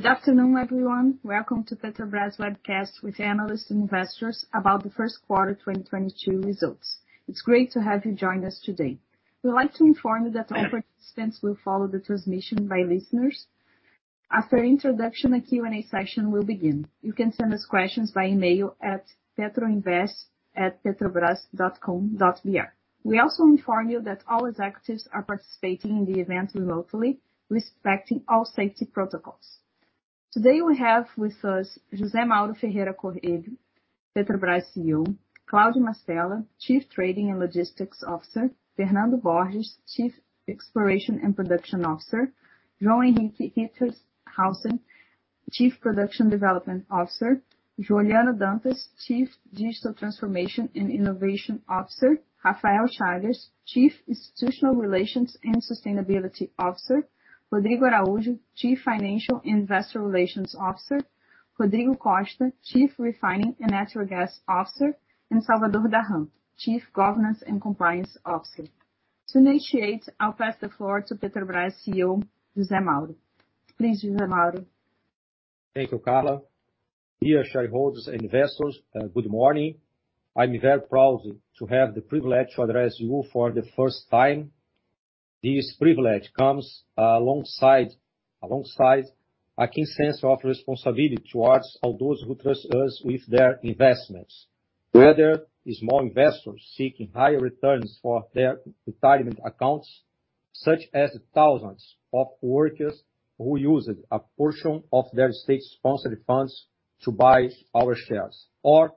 Good afternoon, everyone. Welcome to Petrobras webcast with analysts and investors about the first quarter 2022 results. It's great to have you join us today. We'd like to inform you that all participants will be in listen-only mode. After introduction, a Q&A session will begin. You can send us questions by email at petroinvest@petrobras.com.br. We also inform you that all executives are participating in the event remotely, respecting all safety protocols. Today, we have with us José Mauro Ferreira Coelho, Petrobras CEO, Cláudio Mastella, Chief Trading and Logistics Officer, Fernando Borges, Chief Exploration and Production Officer, João Henrique Rittershaussen, Chief Production Development Officer, Juliano Dantas, Chief Digital Transformation and Innovation Officer, Rafael Chaves, Chief Institutional Relations and Sustainability Officer, Rodrigo Araújo, Chief Financial and Investor Relations Officer, Rodrigo Costa, Chief Refining and Natural Gas Officer, and Salvador Dahan, Chief Governance and Compliance Officer. To initiate, I'll pass the floor to Petrobras CEO, José Mauro. Please, José Mauro. Thank you, Carla. Dear shareholders and investors, good morning. I'm very proud to have the privilege to address you for the first time. This privilege comes, alongside a keen sense of responsibility towards all those who trust us with their investments, whether it's small investors seeking higher returns for their retirement accounts, such as thousands of workers who used a portion of their state-sponsored funds to buy our shares, or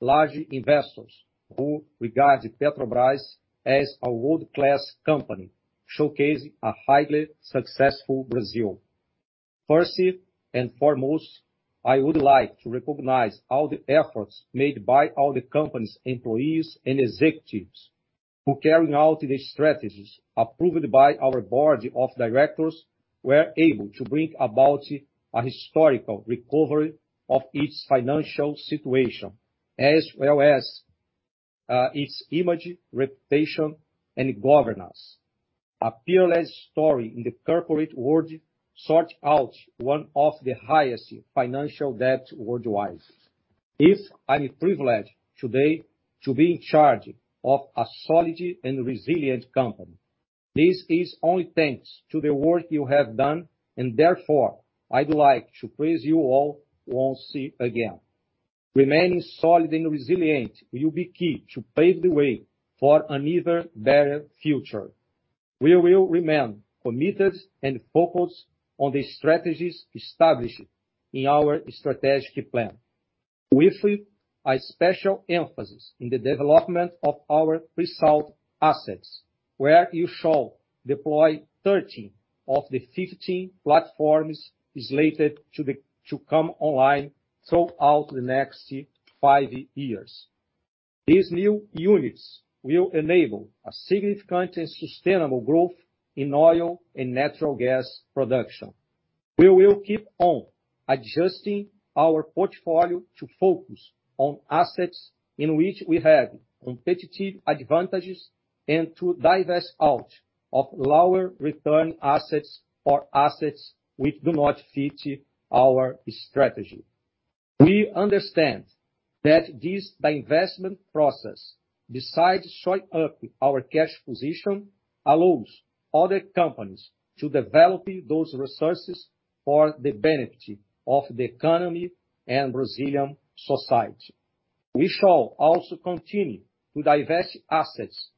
large investors who regard Petrobras as a world-class company, showcasing a highly successful Brazil. First and foremost, I would like to recognize all the efforts made by all the company's employees and executives who, carrying out the strategies approved by our board of directors, were able to bring about a historical recovery of its financial situation, as well as, its image, reputation, and governance. A peerless story in the corporate world sorted out one of the highest financial debts worldwide. If I'm privileged today to be in charge of a solid and resilient company, this is only thanks to the work you have done, and therefore, I'd like to praise you all once again. Remaining solid and resilient will be key to pave the way for an even better future. We will remain committed and focused on the strategies established in our strategic plan, with a special emphasis in the development of our pre-salt assets, where you shall deploy 13 of the 15 platforms slated to come online throughout the next five years. These new units will enable a significant and sustainable growth in oil and natural gas production. We will keep on adjusting our portfolio to focus on assets in which we have competitive advantages and to divest out of lower return assets or assets which do not fit our strategy. We understand that this divestment process, besides shoring up our cash position, allows other companies to develop those resources for the benefit of the economy and Brazilian society. We shall also continue to divest assets,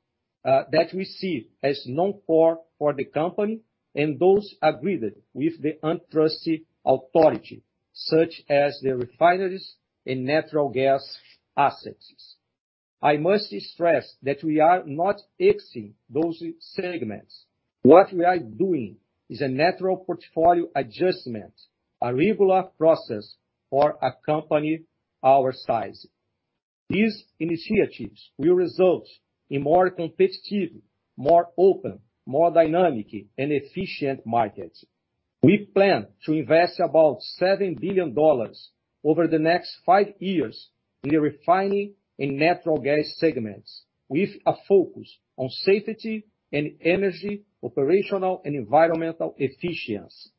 that we see as non-core for the company and those agreed with the antitrust authority, such as the refineries and natural gas assets. I must stress that we are not exiting those segments. What we are doing is a natural portfolio adjustment, a regular process for a company our size. These initiatives will result in more competitive, more open, more dynamic and efficient markets. We plan to invest about $7 billion over the next five years in the refining and natural gas segments, with a focus on safety and energy, operational and environmental efficiency.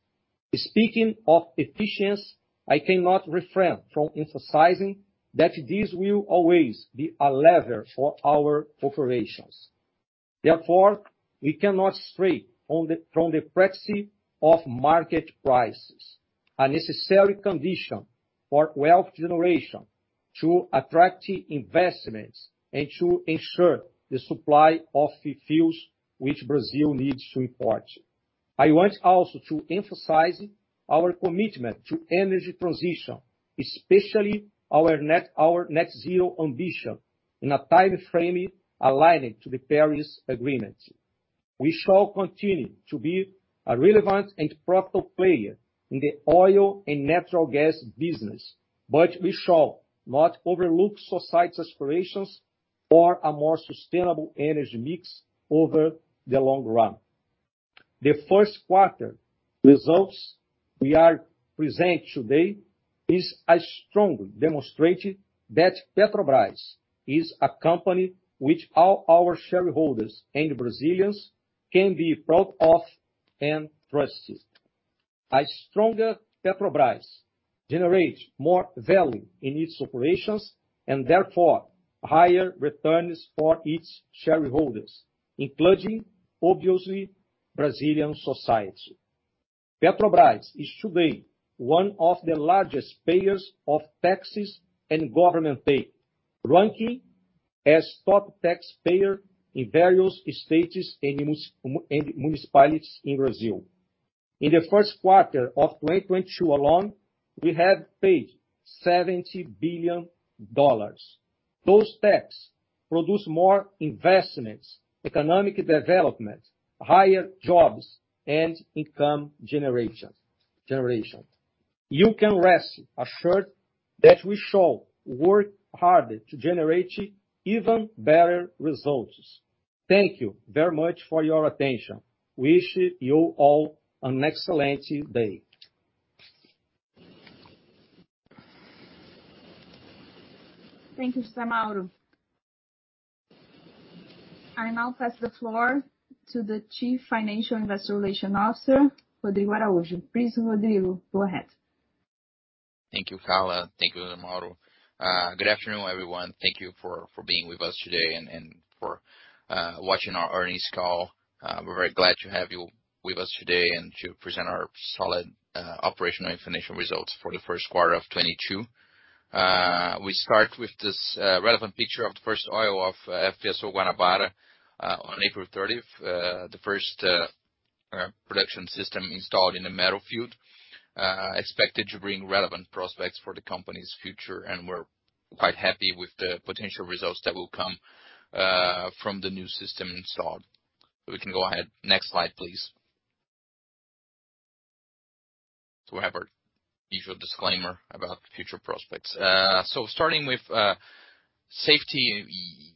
Speaking of efficiency, I cannot refrain from emphasizing that this will always be a lever for our operations. Therefore, we cannot stray from the practice of market prices, a necessary condition for wealth generation to attract investments and to ensure the supply of fuels which Brazil needs to import. I want also to emphasize our commitment to energy transition, especially our net zero ambition in a time frame aligned to the Paris Agreement. We shall continue to be a relevant and profitable player in the oil and natural gas business, but we shall not overlook society's aspirations for a more sustainable energy mix over the long run. The first quarter results we are presenting today strongly demonstrate that Petrobras is a company which all our shareholders and Brazilians can be proud of and trusted. A stronger Petrobras generates more value in its operations and therefore higher returns for its shareholders, including obviously Brazilian society. Petrobras is today one of the largest payers of taxes and government payments, ranking as top taxpayer in various states and municipalities in Brazil. In the first quarter of 2022 alone, we have paid $70 billion. Those taxes produce more investments, economic development, higher jobs and income generation. You can rest assured that we shall work hard to generate even better results. Thank you very much for your attention. Wish you all an excellent day. Thank you, Mr. Mauro. I now pass the floor to the Chief Financial and Investor Relations Officer, Rodrigo Araujo. Please, Rodrigo, go ahead. Thank you, Carla. Thank you, Mauro. Good afternoon, everyone. Thank you for being with us today and for watching our earnings call. We're very glad to have you with us today and to present our solid operational and financial results for the first quarter of 2022. We start with this relevant picture of the first oil of FPSO Guanabara on April 30. The first production system installed in the Mero field expected to bring relevant prospects for the company's future, and we're quite happy with the potential results that will come from the new system installed. We can go ahead. Next slide, please. We have our usual disclaimer about future prospects. Starting with safety.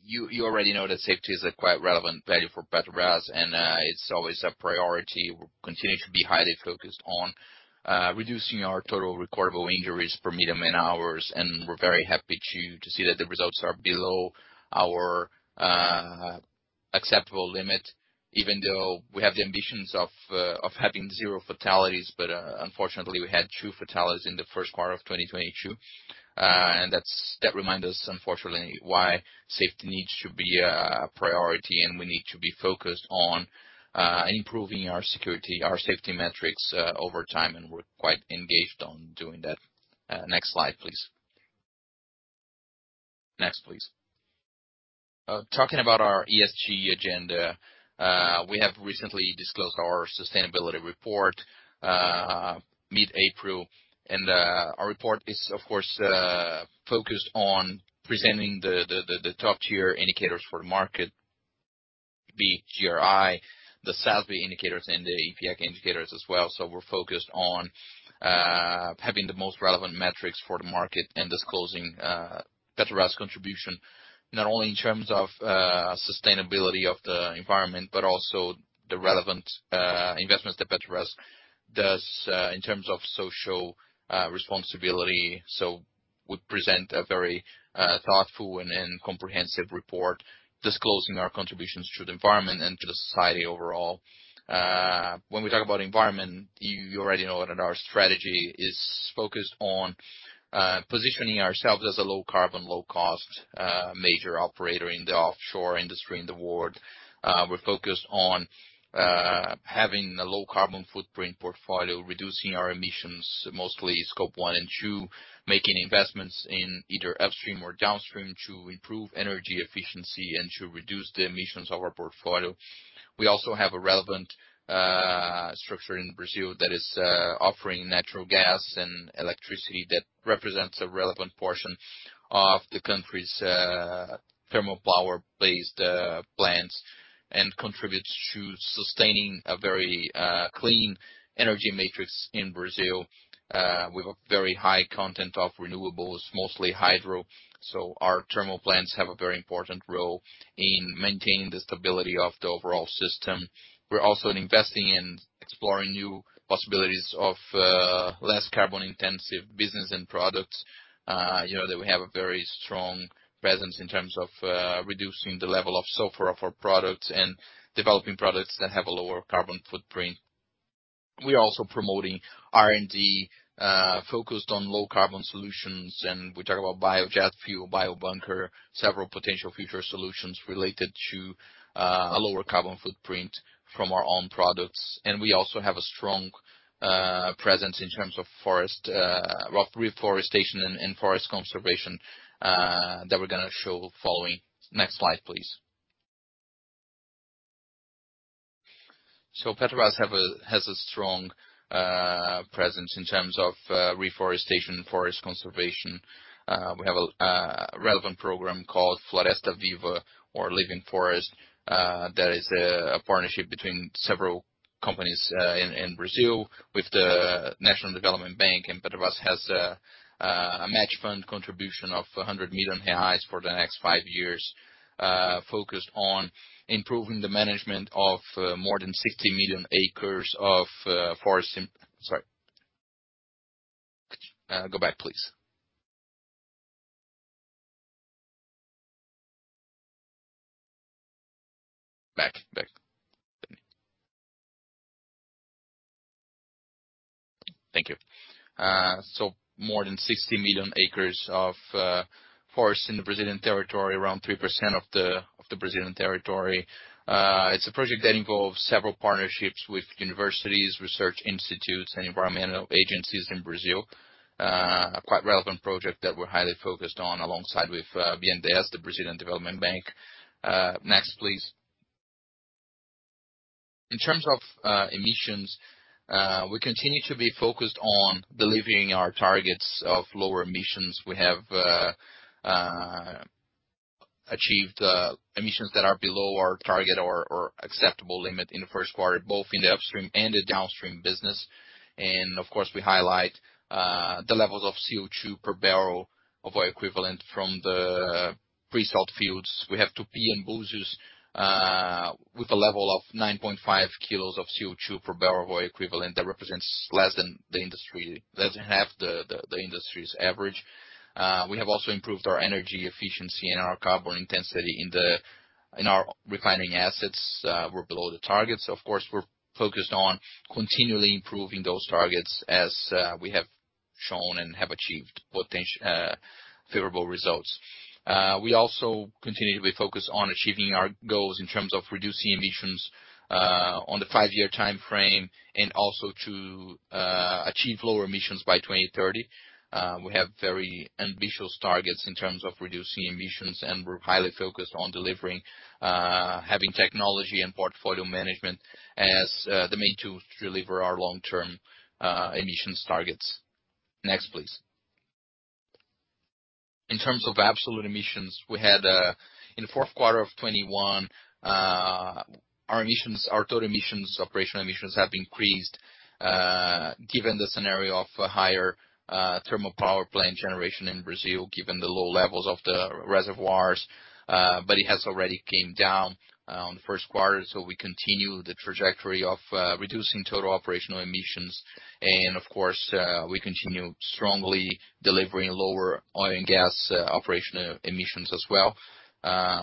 You already know that safety is a quite relevant value for Petrobras, and it's always a priority. We're continuing to be highly focused on reducing our total recordable injuries per million man-hours, and we're very happy to see that the results are below our acceptable limit, even though we have the ambitions of having zero fatalities. Unfortunately, we had two fatalities in the first quarter of 2022. That reminds us, unfortunately, why safety needs to be a priority, and we need to be focused on improving our safety, our safety metrics over time, and we're quite engaged on doing that. Next slide, please. Next, please. Talking about our ESG agenda, we have recently disclosed our sustainability report mid-April. Our report is of course focused on presenting the top-tier indicators for the market, the GRI, the SASB indicators and the IPIECA indicators as well. We're focused on having the most relevant metrics for the market and disclosing Petrobras' contribution, not only in terms of sustainability of the environment, but also the relevant investments that Petrobras does in terms of social responsibility. We present a very thoughtful and comprehensive report disclosing our contributions to the environment and to the society overall. When we talk about environment, you already know that our strategy is focused on positioning ourselves as a low carbon, low cost major operator in the offshore industry in the world. We're focused on having a low carbon footprint portfolio, reducing our emissions, mostly scope 1 and 2, making investments in either upstream or downstream to improve energy efficiency and to reduce the emissions of our portfolio. We also have a relevant structure in Brazil that is offering natural gas and electricity that represents a relevant portion of the country's thermal power-based plants and contributes to sustaining a very clean energy matrix in Brazil with a very high content of renewables, mostly hydro. Our thermal plants have a very important role in maintaining the stability of the overall system. We're also investing in exploring new possibilities of less carbon-intensive business and products. You know that we have a very strong presence in terms of reducing the level of sulfur of our products and developing products that have a lower carbon footprint. We are also promoting R&D focused on low carbon solutions, and we talk about biojet fuel, biobunker, several potential future solutions related to a lower carbon footprint from our own products. We also have a strong presence in terms of forest of reforestation and forest conservation that we're gonna show following. Next slide, please. Petrobras has a strong presence in terms of reforestation, forest conservation. We have a relevant program called Floresta Viva or Living Forest. That is a partnership between several companies in Brazil with the National Development Bank, and Petrobras has a match fund contribution of 100 million reais for the next five years, focused on improving the management of more than 60 million acres of forest in the Brazilian territory, around 3% of the Brazilian territory. It's a project that involves several partnerships with universities, research institutes, and environmental agencies in Brazil. A quite relevant project that we're highly focused on alongside with BNDES, the Brazilian Development Bank. Next, please. In terms of emissions, we continue to be focused on delivering our targets of lower emissions. We have achieved emissions that are below our target or acceptable limit in the first quarter, both in the upstream and the downstream business. Of course, we highlight the levels of CO2 per barrel oil equivalent from the pre-salt fields. We have Tupi and Búzios with a level of 9.5 k of CO2 per barrel oil equivalent that represents less than the industry, less than half the industry's average. We have also improved our energy efficiency and our carbon intensity in our refining assets, we're below the targets. Of course, we're focused on continually improving those targets as we have shown and have achieved favorable results. We also continually focus on achieving our goals in terms of reducing emissions on the five-year timeframe and also to achieve lower emissions by 2030. We have very ambitious targets in terms of reducing emissions, and we're highly focused on delivering having technology and portfolio management as the main tools to deliver our long-term emissions targets. Next, please. In terms of absolute emissions, we had in the fourth quarter of 2021 our total operational emissions have increased given the scenario of a higher thermal power plant generation in Brazil, given the low levels of the reservoirs, but it has already came down on the first quarter. We continue the trajectory of reducing total operational emissions and of course we continue strongly delivering lower oil and gas operational emissions as well.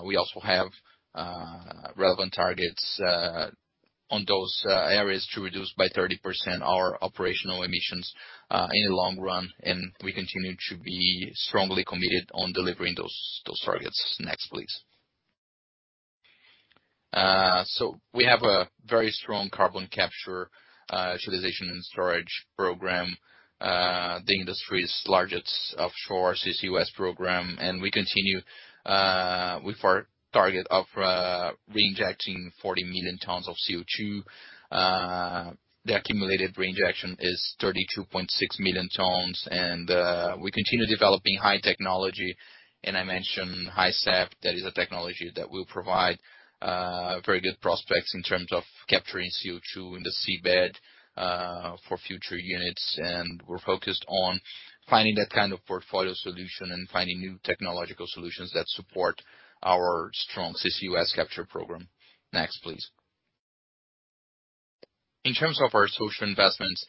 We also have relevant targets on those areas to reduce by 30% our operational emissions in the long run, and we continue to be strongly committed on delivering those targets. Next, please. We have a very strong carbon capture utilization and storage program, the industry's largest offshore CCUS program. We continue with our target of reinjecting 40 million tons of CO2. The accumulated reinjection is 32.6 million tons. We continue developing high technology. I mentioned HISEP, that is a technology that will provide very good prospects in terms of capturing CO2 in the seabed for future units. We're focused on finding that kind of portfolio solution and finding new technological solutions that support our strong CCUS capture program. Next, please. In terms of our social investments,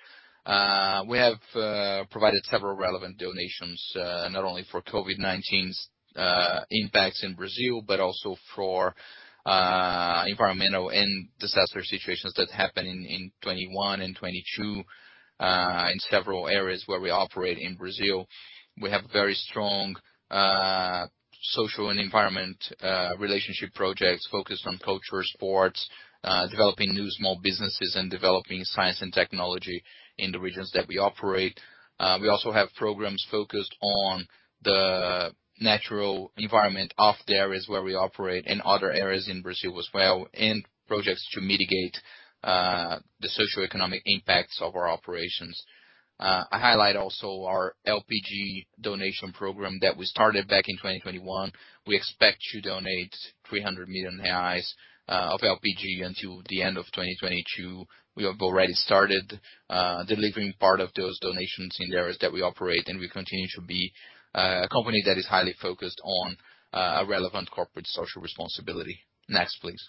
we have provided several relevant donations, not only for COVID-19's impacts in Brazil, but also for environmental and disaster situations that happened in 2021 and 2022, in several areas where we operate in Brazil. We have very strong social and environmental relationship projects focused on culture, sports, developing new small businesses, and developing science and technology in the regions that we operate. We also have programs focused on the natural environment of the areas where we operate and other areas in Brazil as well, and projects to mitigate the socioeconomic impacts of our operations. I also highlight our LPG donation program that we started back in 2021. We expect to donate 300 million reais of LPG until the end of 2022. We have already started delivering part of those donations in the areas that we operate, and we continue to be a company that is highly focused on a relevant corporate social responsibility. Next, please.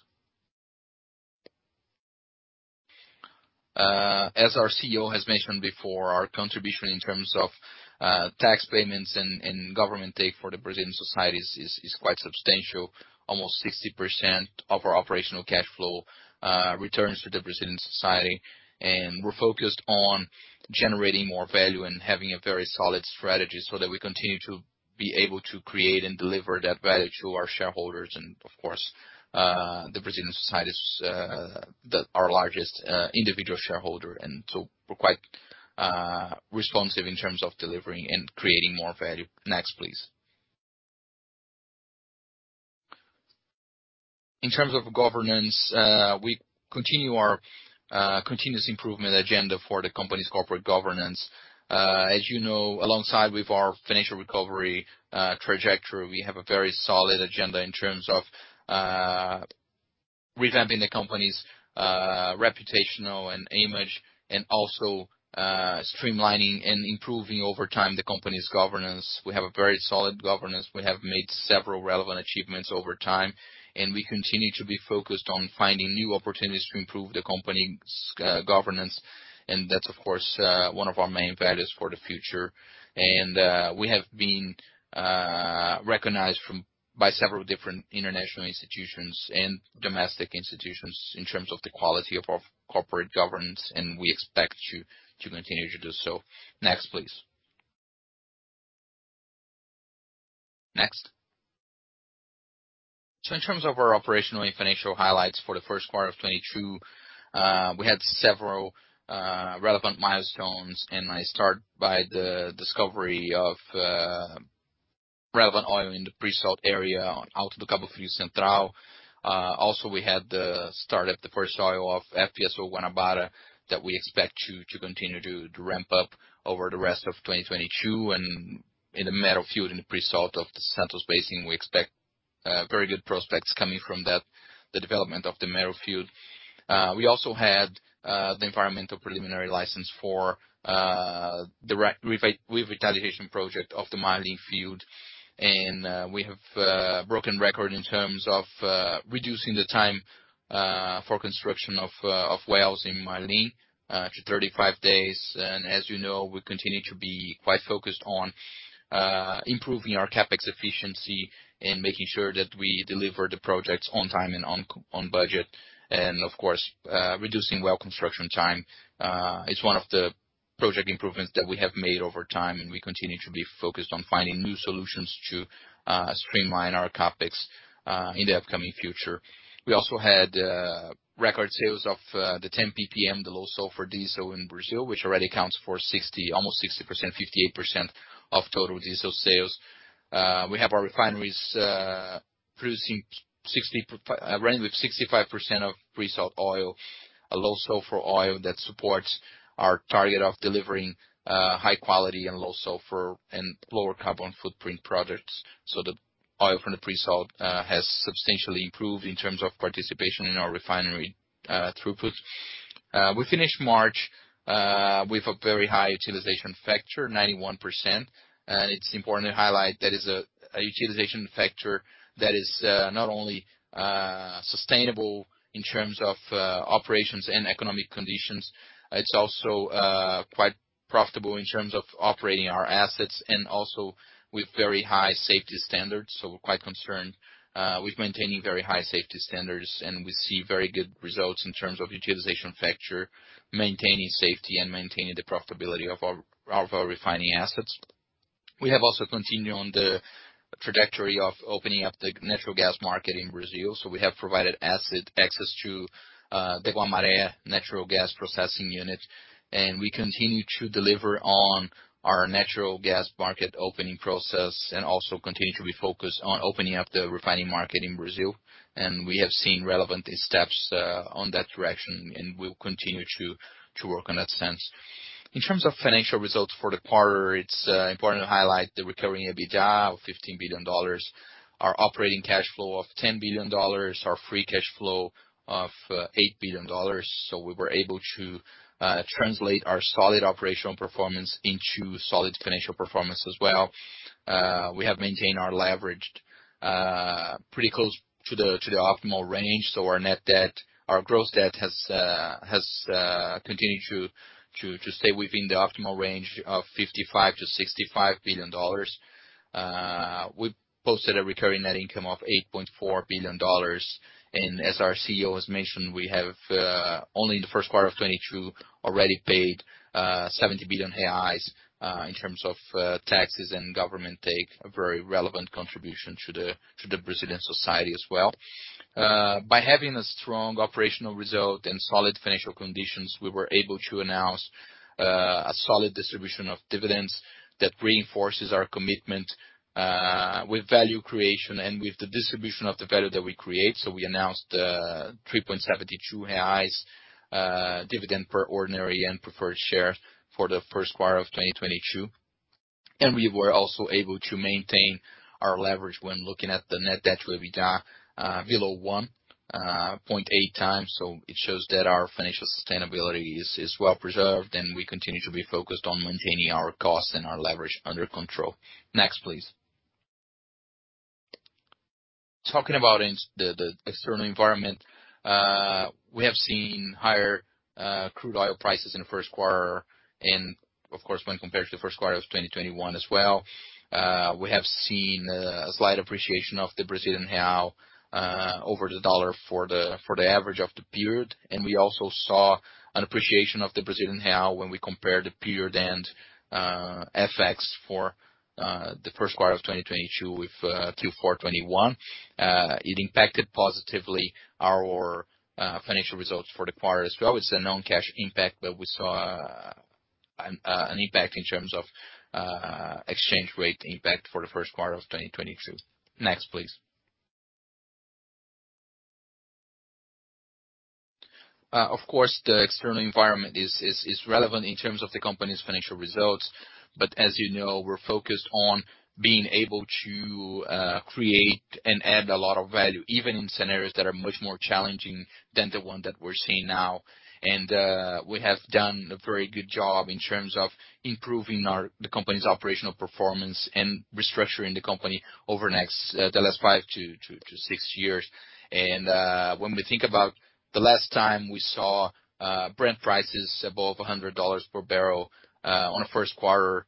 As our CEO has mentioned before, our contribution in terms of tax payments and government take for the Brazilian society is quite substantial. Almost 60% of our operational cash flow returns to the Brazilian society. We're focused on generating more value and having a very solid strategy so that we continue to be able to create and deliver that value to our shareholders. Of course, the Brazilian society is our largest individual shareholder. We're quite responsive in terms of delivering and creating more value. Next, please. In terms of governance, we continue our continuous improvement agenda for the company's corporate governance. As you know, alongside with our financial recovery trajectory, we have a very solid agenda in terms of revamping the company's reputational and image and also streamlining and improving over time the company's governance. We have a very solid governance. We have made several relevant achievements over time, and we continue to be focused on finding new opportunities to improve the company's governance, and that's of course one of our main values for the future. We have been recognized by several different international institutions and domestic institutions in terms of the quality of our corporate governance, and we expect to continue to do so. Next, please. Next. In terms of our operational and financial highlights for the first quarter of 2022, we had several relevant milestones, and I start by the discovery of relevant oil in the pre-salt area out of the Alto de Cabo Frio Central. Also, we had the start of the first oil of FPSO Guanabara that we expect to continue to ramp up over the rest of 2022. In the Mero field, in the pre-salt of the Santos Basin, we expect very good prospects coming from that, the development of the Mero field. We also had the environmental preliminary license for the revitalization project of the Marlim field. We have broken a record in terms of reducing the time for construction of wells in Marlim to 35 days. As you know, we continue to be quite focused on improving our CapEx efficiency and making sure that we deliver the projects on time and on budget. Of course, reducing well construction time is one of the project improvements that we have made over time, and we continue to be focused on finding new solutions to streamline our CapEx in the upcoming future. We also had record sales of the 10 ppm, the low sulfur diesel in Brazil, which already accounts for 60%, almost 60%, 58% of total diesel sales. We have our refineries running with 65% of pre-salt oil, a low sulfur oil that supports our target of delivering high quality and low sulfur and lower carbon footprint products. The oil from the pre-salt has substantially improved in terms of participation in our refinery throughput. We finished March with a very high utilization factor, 91%. It's important to highlight that is a utilization factor that is not only sustainable in terms of operations and economic conditions, it's also quite profitable in terms of operating our assets and also with very high safety standards. We're quite concerned with maintaining very high safety standards, and we see very good results in terms of utilization factor, maintaining safety and maintaining the profitability of our refining assets. We have also continued on the trajectory of opening up the natural gas market in Brazil. We have provided asset access to the Guamaré natural gas processing unit, and we continue to deliver on our natural gas market opening process and also continue to be focused on opening up the refining market in Brazil. We have seen relevant steps on that direction, and we'll continue to work on that sense. In terms of financial results for the quarter, it's important to highlight the recurring EBITDA of $15 billion, our operating cash flow of $10 billion, our free cash flow of $8 billion. We were able to translate our solid operational performance into solid financial performance as well. We have maintained our leverage pretty close to the optimal range, so our gross debt has continued to stay within the optimal range of $55 billion-$65 billion. We posted a recurring net income of $8.4 billion. As our CEO has mentioned, we have only in the first quarter of 2022 already paid 70 billion reais in terms of taxes and government take, a very relevant contribution to the Brazilian society as well. By having a strong operational result and solid financial conditions, we were able to announce a solid distribution of dividends that reinforces our commitment with value creation and with the distribution of the value that we create. We announced 3.72 reais dividend per ordinary and preferred shares for the first quarter of 2022. We were also able to maintain our leverage when looking at the net debt to EBITDA below 1.8x. It shows that our financial sustainability is well preserved, and we continue to be focused on maintaining our costs and our leverage under control. Next, please. Talking about the external environment, we have seen higher crude oil prices in the first quarter and of course, when compared to the first quarter of 2021 as well. We have seen a slight appreciation of the Brazilian real over the dollar for the average of the period. We also saw an appreciation of the Brazilian real when we compare the period end, FX for, the first quarter of 2022 with, Q4 2021. It impacted positively our financial results for the quarter as well. It's a non-cash impact, but we saw an impact in terms of exchange rate impact for the first quarter of 2022. Next, please. Of course, the external environment is relevant in terms of the company's financial results. As you know, we're focused on being able to create and add a lot of value, even in scenarios that are much more challenging than the one that we're seeing now. We have done a very good job in terms of improving the company's operational performance and restructuring the company over the last five to six years. When we think about the last time we saw Brent prices above $100 per barrel in the first quarter,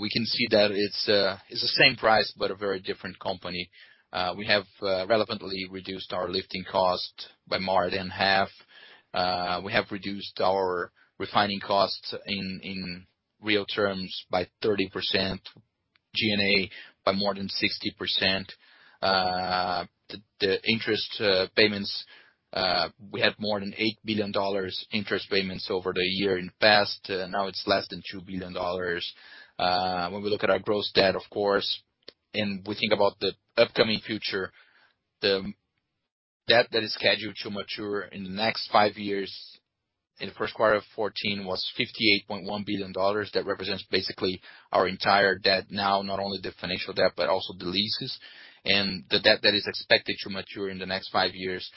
we can see that it's the same price but a very different company. We have materially reduced our lifting cost by more than half. We have reduced our refining costs in real terms by 30%, G&A by more than 60%. The interest payments we had more than $8 billion interest payments over the year in the past, now it's less than $2 billion. When we look at our gross debt, of course, and we think about the upcoming future, the debt that is scheduled to mature in the next five years, in the first quarter of 2014 was $58.1 billion. That represents basically our entire debt now, not only the financial debt, but also the leases. The debt that is expected to mature in the next five years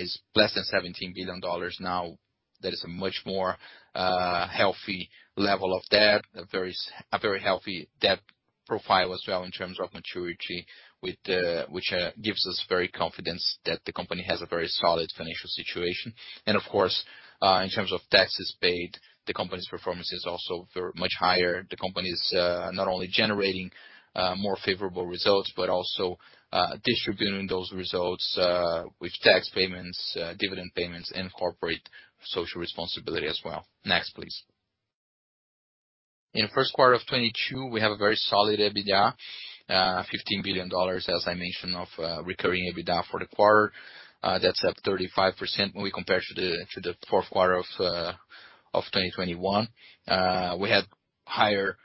is less than $17 billion now. That is a much more healthy level of debt, a very healthy debt profile as well in terms of maturity, which gives us very confidence that the company has a very solid financial situation. Of course, in terms of taxes paid, the company's performance is also very much higher. The company's not only generating more favorable results, but also distributing those results with tax payments, dividend payments, and corporate social responsibility as well. Next, please. In the first quarter of 2022, we have a very solid EBITDA, $15 billion, as I mentioned, of recurring EBITDA for the quarter. That's up 35% when we compare to the fourth quarter of 2021. We had higher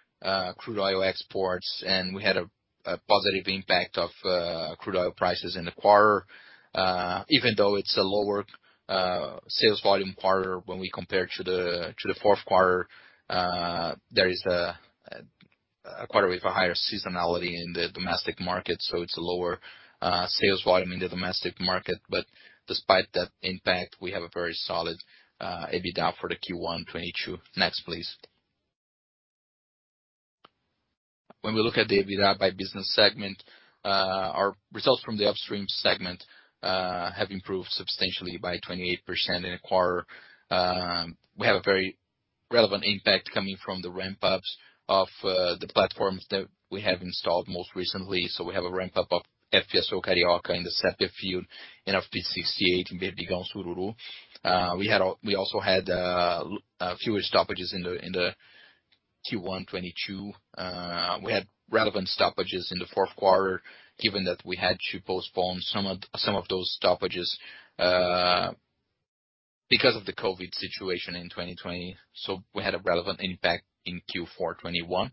crude oil exports, and we had a positive impact of crude oil prices in the quarter, even though it's a lower sales volume quarter when we compare to the fourth quarter. There is a quarter with a higher seasonality in the domestic market, so it's a lower sales volume in the domestic market. Despite that impact, we have a very solid EBITDA for the Q1 2022. Next, please. When we look at the EBITDA by business segment, our results from the upstream segment have improved substantially by 28% in the quarter. We have a very relevant impact coming from the ramp-ups of the platforms that we have installed most recently. We have a ramp-up of FPSO Carioca in the Sépia field and of P-68 in Berbigão and Sururu. We also had fewer stoppages in the Q1 2022. We had relevant stoppages in the fourth quarter given that we had to postpone some of those stoppages because of the COVID situation in 2020. We had a relevant impact in Q4 2021.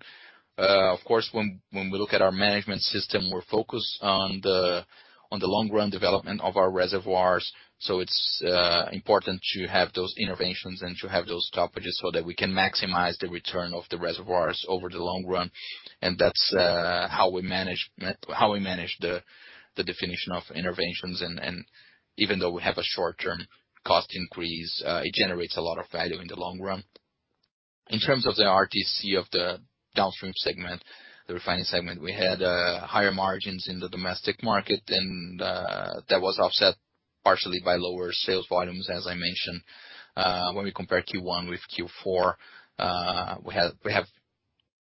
Of course, when we look at our management system, we're focused on the long-run development of our reservoirs. It's important to have those interventions and to have those stoppages so that we can maximize the return of the reservoirs over the long run. That's how we manage the definition of interventions. Even though we have a short-term cost increase, it generates a lot of value in the long run. In terms of the RTC of the downstream segment, the refining segment, we had higher margins in the domestic market and that was offset partially by lower sales volumes, as I mentioned. When we compare Q1 with Q4, we have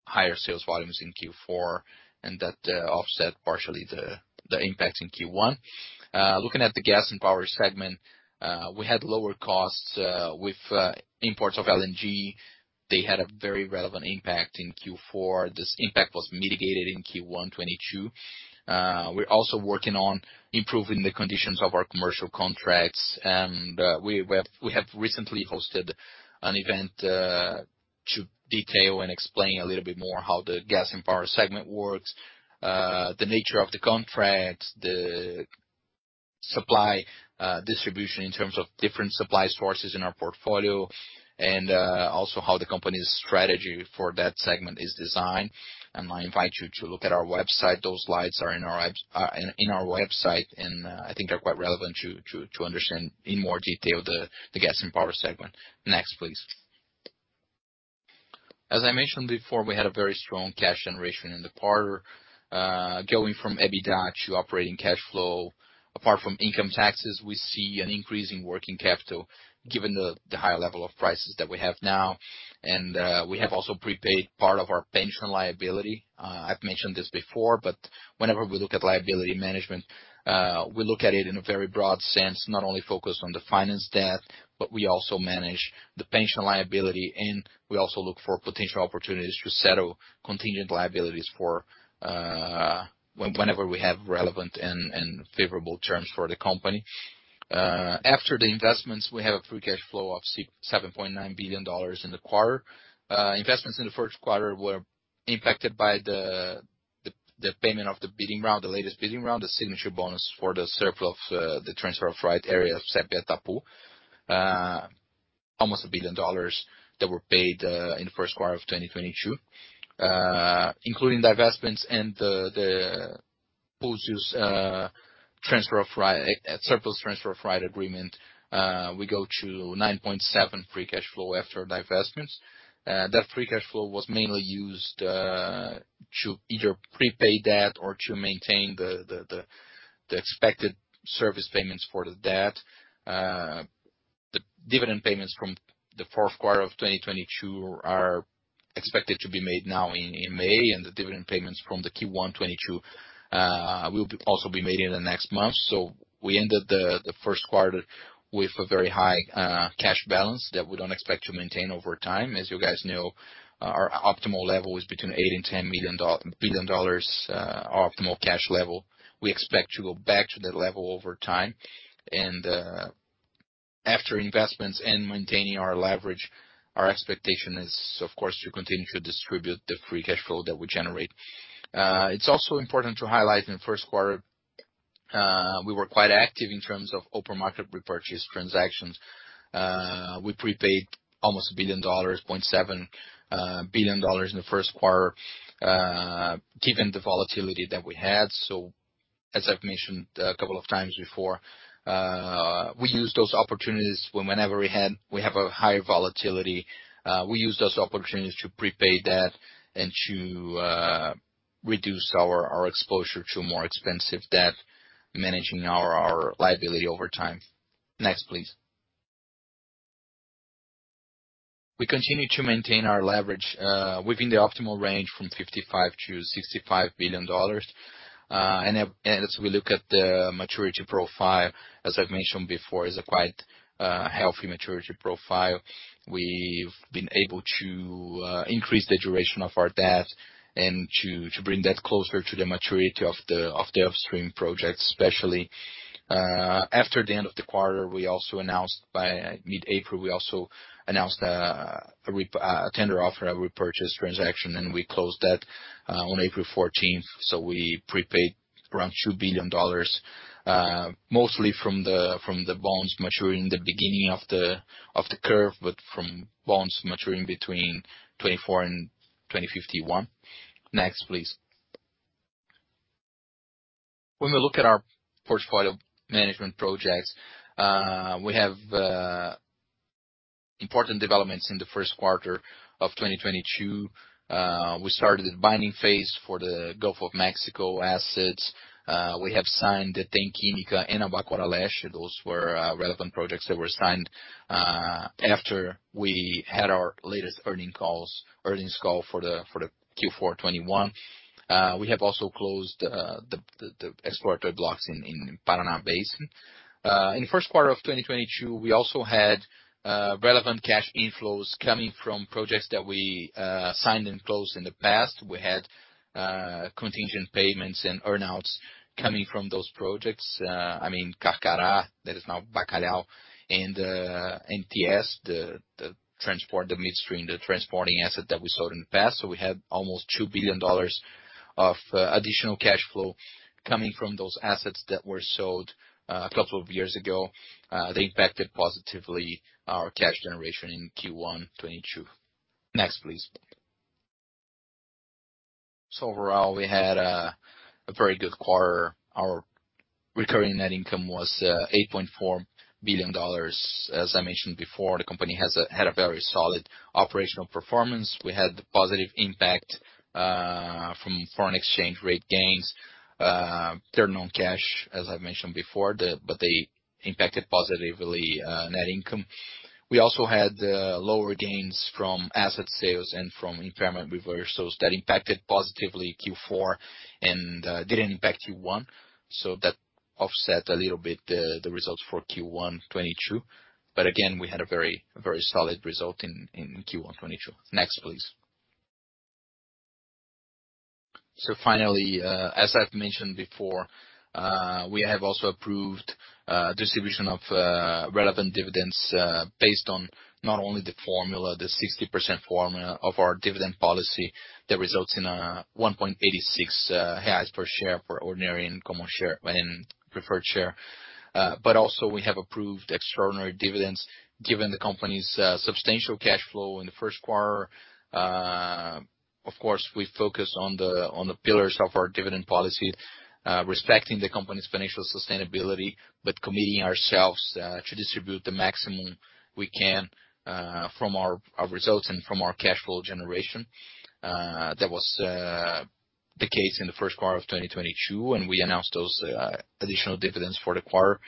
higher sales volumes in Q4, and that offset partially the impact in Q1. Looking at the gas and power segment, we had lower costs with imports of LNG. They had a very relevant impact in Q4. This impact was mitigated in Q1 2022. We're also working on improving the conditions of our commercial contracts. We have recently hosted an event to detail and explain a little bit more how the gas and power segment works, the nature of the contracts, the supply distribution in terms of different supply sources in our portfolio, and also how the company's strategy for that segment is designed. I invite you to look at our website. Those slides are in our website, and I think are quite relevant to understand in more detail the gas and power segment. Next, please. As I mentioned before, we had a very strong cash generation in the quarter, going from EBITDA to operating cash flow. Apart from income taxes, we see an increase in working capital given the higher level of prices that we have now. We have also prepaid part of our pension liability. I've mentioned this before, but whenever we look at liability management, we look at it in a very broad sense, not only focused on the finance debt, but we also manage the pension liability, and we also look for potential opportunities to settle contingent liabilities whenever we have relevant and favorable terms for the company. After the investments, we have a free cash flow of $7.9 billion in the quarter. Investments in the first quarter were impacted by the payment of the bidding round, the latest bidding round, the signature bonus for the surplus transfer of rights area of Sépia and Atapu. Almost $1 billion that were paid in the first quarter of 2022. Including divestments and the surplus transfer of rights agreement, we go to $9.7 billion free cash flow after divestments. That free cash flow was mainly used to either prepay debt or to maintain the expected service payments for the debt. The dividend payments from the fourth quarter of 2022 are expected to be made now in May. The dividend payments from Q1 2022 will also be made in the next month. We ended the first quarter with a very high cash balance that we don't expect to maintain over time. As you guys know, our optimal level is between $8 billion and $10 billion, optimal cash level. We expect to go back to that level over time. After investments and maintaining our leverage, our expectation is, of course, to continue to distribute the free cash flow that we generate. It's also important to highlight in the first quarter, we were quite active in terms of open market repurchase transactions. We prepaid almost $1.7 billion in the first quarter, given the volatility that we had. As I've mentioned a couple of times before, we use those opportunities when we have a high volatility, we use those opportunities to prepay debt and to reduce our exposure to more expensive debt, managing our liability over time. Next, please. We continue to maintain our leverage within the optimal range from $55 billion-$65 billion. As we look at the maturity profile, as I've mentioned before, it is quite healthy. We've been able to increase the duration of our debt and to bring that closer to the maturity of the upstream projects, especially. After the end of the quarter, we also announced in mid-April a tender offer, a repurchase transaction, and we closed that on April 14. We prepaid around $2 billion, mostly from the bonds maturing in the beginning of the curve, but from bonds maturing between 2024 and 2051. Next, please. When we look at our portfolio management projects, we have important developments in the first quarter of 2022. We started the binding phase for the Gulf of Mexico assets. We have signed the Tucunaré and Abacus leases. Those were relevant projects that were signed after we had our latest earnings call for the Q4 2021. We have also closed the exploratory blocks in Paraná Basin. In the first quarter of 2022, we also had relevant cash inflows coming from projects that we signed and closed in the past. We had contingent payments and earn-outs coming from those projects. I mean, Carcará, that is now Bacalhau, and NTS, the transport, midstream, transporting asset that we sold in the past. We had almost $2 billion of additional cash flow coming from those assets that were sold a couple of years ago. They impacted positively our cash generation in Q1 2022. Next, please. Overall, we had a very good quarter. Our recurring net income was $8.4 billion. As I mentioned before, the company had a very solid operational performance. We had the positive impact from foreign exchange rate gains, turn on cash, as I've mentioned before, but they impacted positively net income. We also had lower gains from asset sales and from impairment reversals that impacted positively Q4 and didn't impact Q1. That offset a little bit the results for Q1 2022. Again, we had a very solid result in Q1 2022. Next, please. Finally, as I've mentioned before, we have also approved distribution of relevant dividends based on not only the formula, the 60% formula of our dividend policy, that results in 1.86 reais per share for ordinary and common share, and preferred share. But also we have approved extraordinary dividends given the company's substantial cash flow in the first quarter. Of course, we focus on the pillars of our dividend policy, respecting the company's financial sustainability, but committing ourselves to distribute the maximum we can from our results and from our cash flow generation. That was the case in the first quarter of 2022, and we announced those additional dividends for the quarter.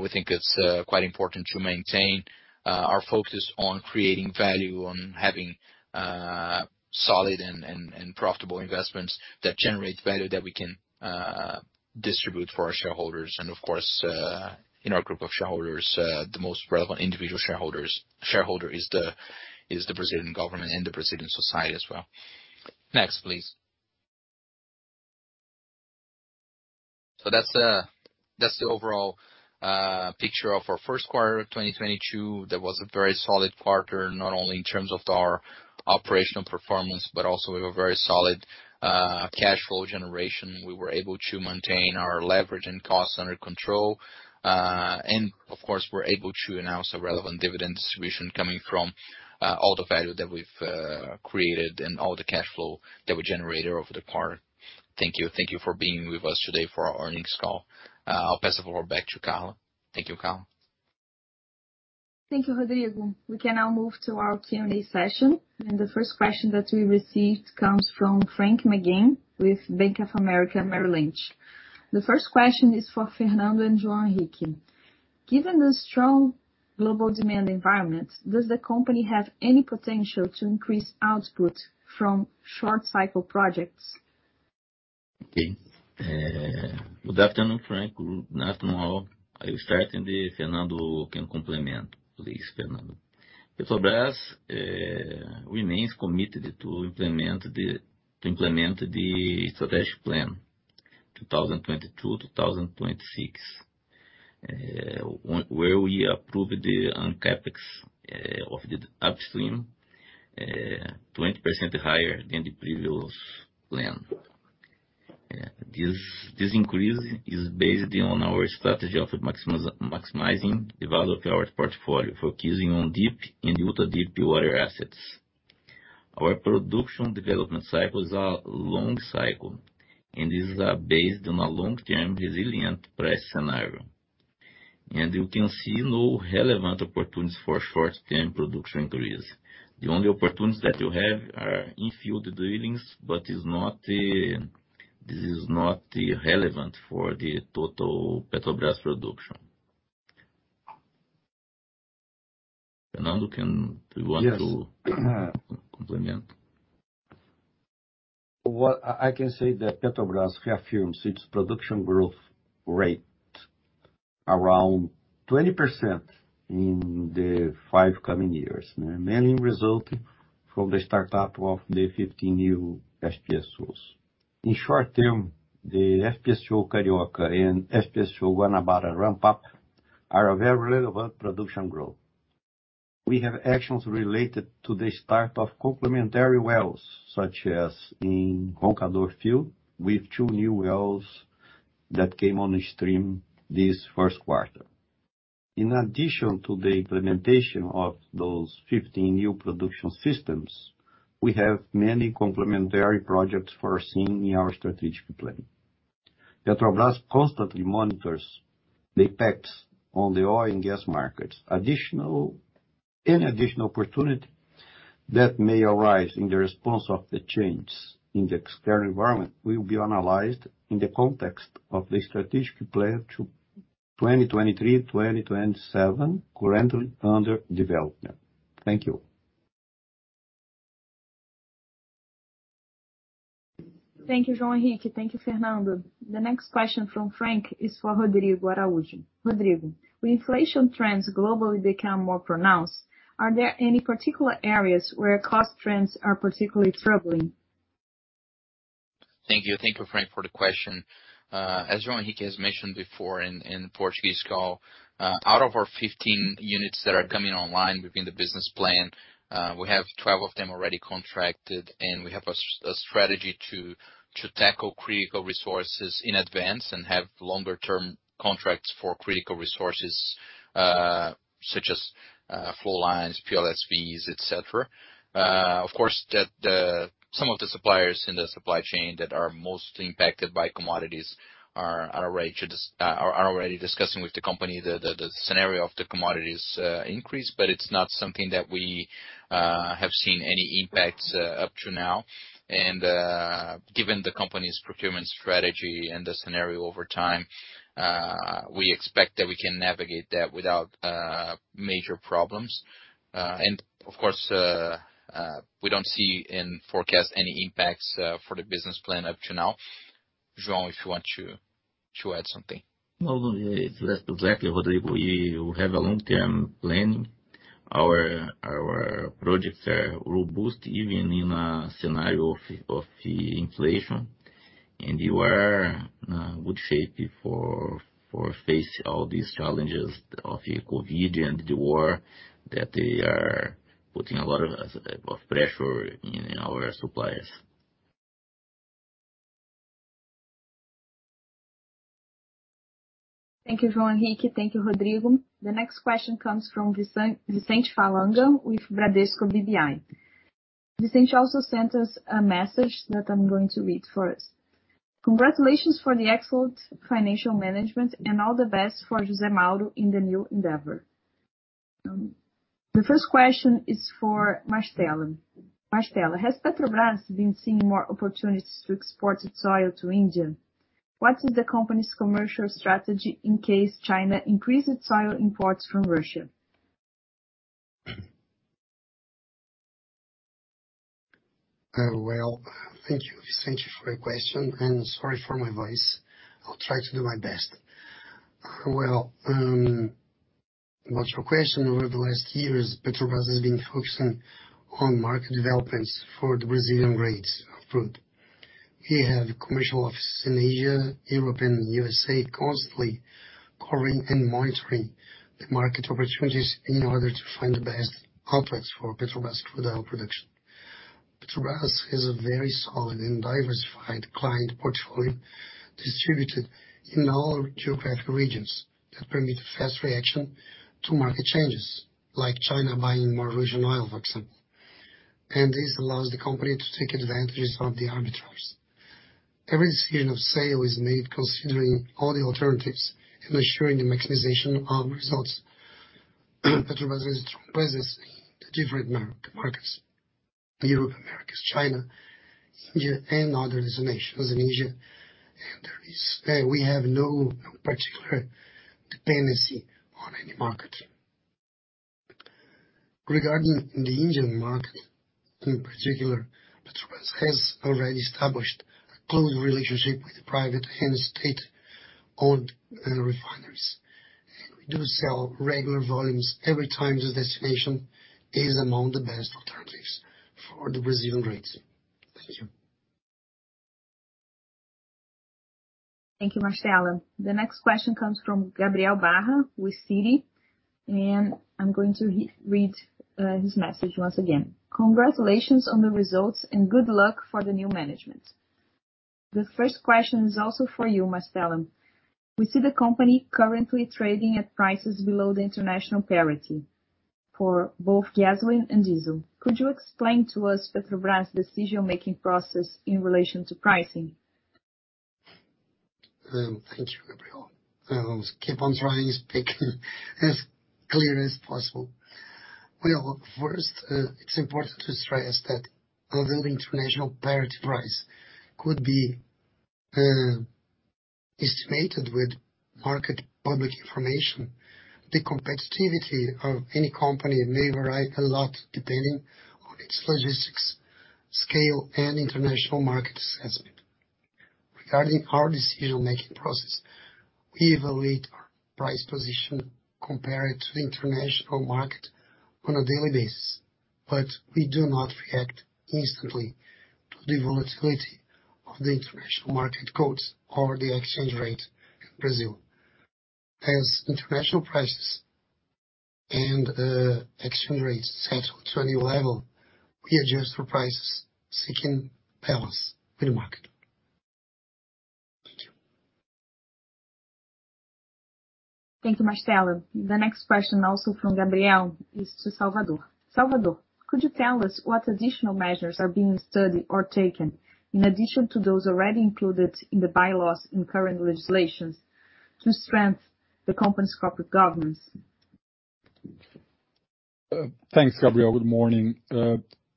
We think it's quite important to maintain our focus on creating value, on having solid and profitable investments that generate value that we can distribute for our shareholders. Of course, in our group of shareholders, the most relevant individual shareholder is the Brazilian government and the Brazilian society as well. Next, please. That's the overall picture of our first quarter 2022. That was a very solid quarter, not only in terms of our operational performance, but also we have a very solid cash flow generation. We were able to maintain our leverage and costs under control. Of course, we're able to announce a relevant dividend distribution coming from all the value that we've created and all the cash flow that we generated over the quarter. Thank you. Thank you for being with us today for our earnings call. I'll pass the floor back to Carla. Thank you, Carla. Thank you, Rodrigo. We can now move to our Q&A session, and the first question that we received comes from Frank McGann with Bank of America Merrill Lynch. The first question is for Fernando and João Henrique. Given the strong global demand environment, does the company have any potential to increase output from short cycle projects? Good afternoon, Frank. Good afternoon, all. I will start, and then Fernando can complement. Please, Fernando. Petrobras remains committed to implement the strategic plan 2022-2026, on where we approved the CapEx of the upstream 20% higher than the previous plan. This increase is based on our strategy of maximizing the value of our portfolio, focusing on deep and ultra-deep water assets. Our production development cycle is a long cycle, and this is based on a long-term resilient price scenario. We can see no relevant opportunities for short-term production increase. The only opportunities that you have are in field drillings, but it's not this is not relevant for the total Petrobras production. Fernando, can Yes. Do you want to comment? I can say that Petrobras reaffirms its production growth rate around 20% in the five coming years, mainly resulting from the startup of the 15 new FPSOs. In short term, the FPSO Carioca and FPSO Guanabara ramp-up are a very relevant production growth. We have actions related to the start of complementary wells, such as in Corvina field, with two new wells that came on the stream this first quarter. In addition to the implementation of those 15 new production systems, we have many complementary projects foreseen in our strategic plan. Petrobras constantly monitors the impacts on the oil and gas markets. Any additional opportunity that may arise in the response of the changes in the external environment will be analyzed in the context of the strategic plan to 2023, 2027, currently under development. Thank you. Thank you, João Henrique. Thank you, Fernando. The next question from Frank is for Rodrigo Araujo. Rodrigo, will inflation trends globally become more pronounced? Are there any particular areas where cost trends are particularly troubling? Thank you. Thank you, Frank, for the question. As João Henrique has mentioned before in Portuguese call, out of our 15 units that are coming online within the business plan, we have 12 of them already contracted, and we have a strategy to tackle critical resources in advance and have longer term contracts for critical resources, such as flow lines, PLSVs, et cetera. Of course that some of the suppliers in the supply chain that are most impacted by commodities are already discussing with the company the scenario of the commodities increase, but it's not something that we have seen any impacts up to now. Given the company's procurement strategy and the scenario over time, we expect that we can navigate that without major problems. Of course, we don't see in forecast any impacts for the business plan up to now. João, if you want to add something. No, it's exactly, Rodrigo. We have a long-term planning. Our projects are robust, even in a scenario of inflation, and we are in a good shape to face all these challenges of COVID and the war, that they are putting a lot of pressure on our suppliers. Thank you, João Henrique. Thank you, Rodrigo. The next question comes from Vicente Falanga with Bradesco BBI. Vicente also sent us a message that I'm going to read first. Congratulations for the excellent financial management and all the best for José Mauro in the new endeavor. The first question is for Mastella. Mastella, has Petrobras been seeing more opportunities to export its oil to India? What is the company's commercial strategy in case China increases oil imports from Russia? Thank you, Vicente, for your question, and sorry for my voice. I'll try to do my best. What's your question? Over the last years, Petrobras has been focusing on market developments for the Brazilian grades of crude. We have commercial offices in Asia, Europe and USA, constantly covering and monitoring the market opportunities in order to find the best outlets for Petrobras crude oil production. Petrobras has a very solid and diversified client portfolio distributed in all geographic regions that permit fast reaction to market changes, like China buying more Russian oil, for example. This allows the company to take advantages of the arbitrage. Every decision of sale is made considering all the alternatives and ensuring the maximization of results. Petrobras is strong presence in the different markets, Europe, Americas, China, India and other destinations in Asia. We have no particular dependency on any market. Regarding the Indian market in particular, Petrobras has already established a close relationship with private and state-owned refineries. We do sell regular volumes every time the destination is among the best alternatives for the Brazilian grades. Thank you. Thank you, Mastella. The next question comes from Gabriel Barra with Citi, and I'm going to re-read his message once again. Congratulations on the results and good luck for the new management. The first question is also for you, Mastella. We see the company currently trading at prices below the international parity for both gasoline and diesel. Could you explain to us Petrobras' decision-making process in relation to pricing? Thank you, Gabriel. I'll keep on trying to speak as clear as possible. First, it's important to stress that although the international parity price could be estimated with market public information, the competitiveness of any company may vary a lot, depending on its logistics, scale, and international market assessment. Regarding our decision-making process, we evaluate our price position compared to the international market on a daily basis, but we do not react instantly to the volatility of the international market quotes or the exchange rate in Brazil. As international prices and exchange rates settle to a new level, we adjust for prices seeking balance with the market. Thank you. Thank you, Mastella. The next question, also from Gabriel, is to Salvador. Salvador, could you tell us what additional measures are being studied or taken in addition to those already included in the bylaws in current legislation to strengthen the company's corporate governance? Thanks, Gabriel. Good morning.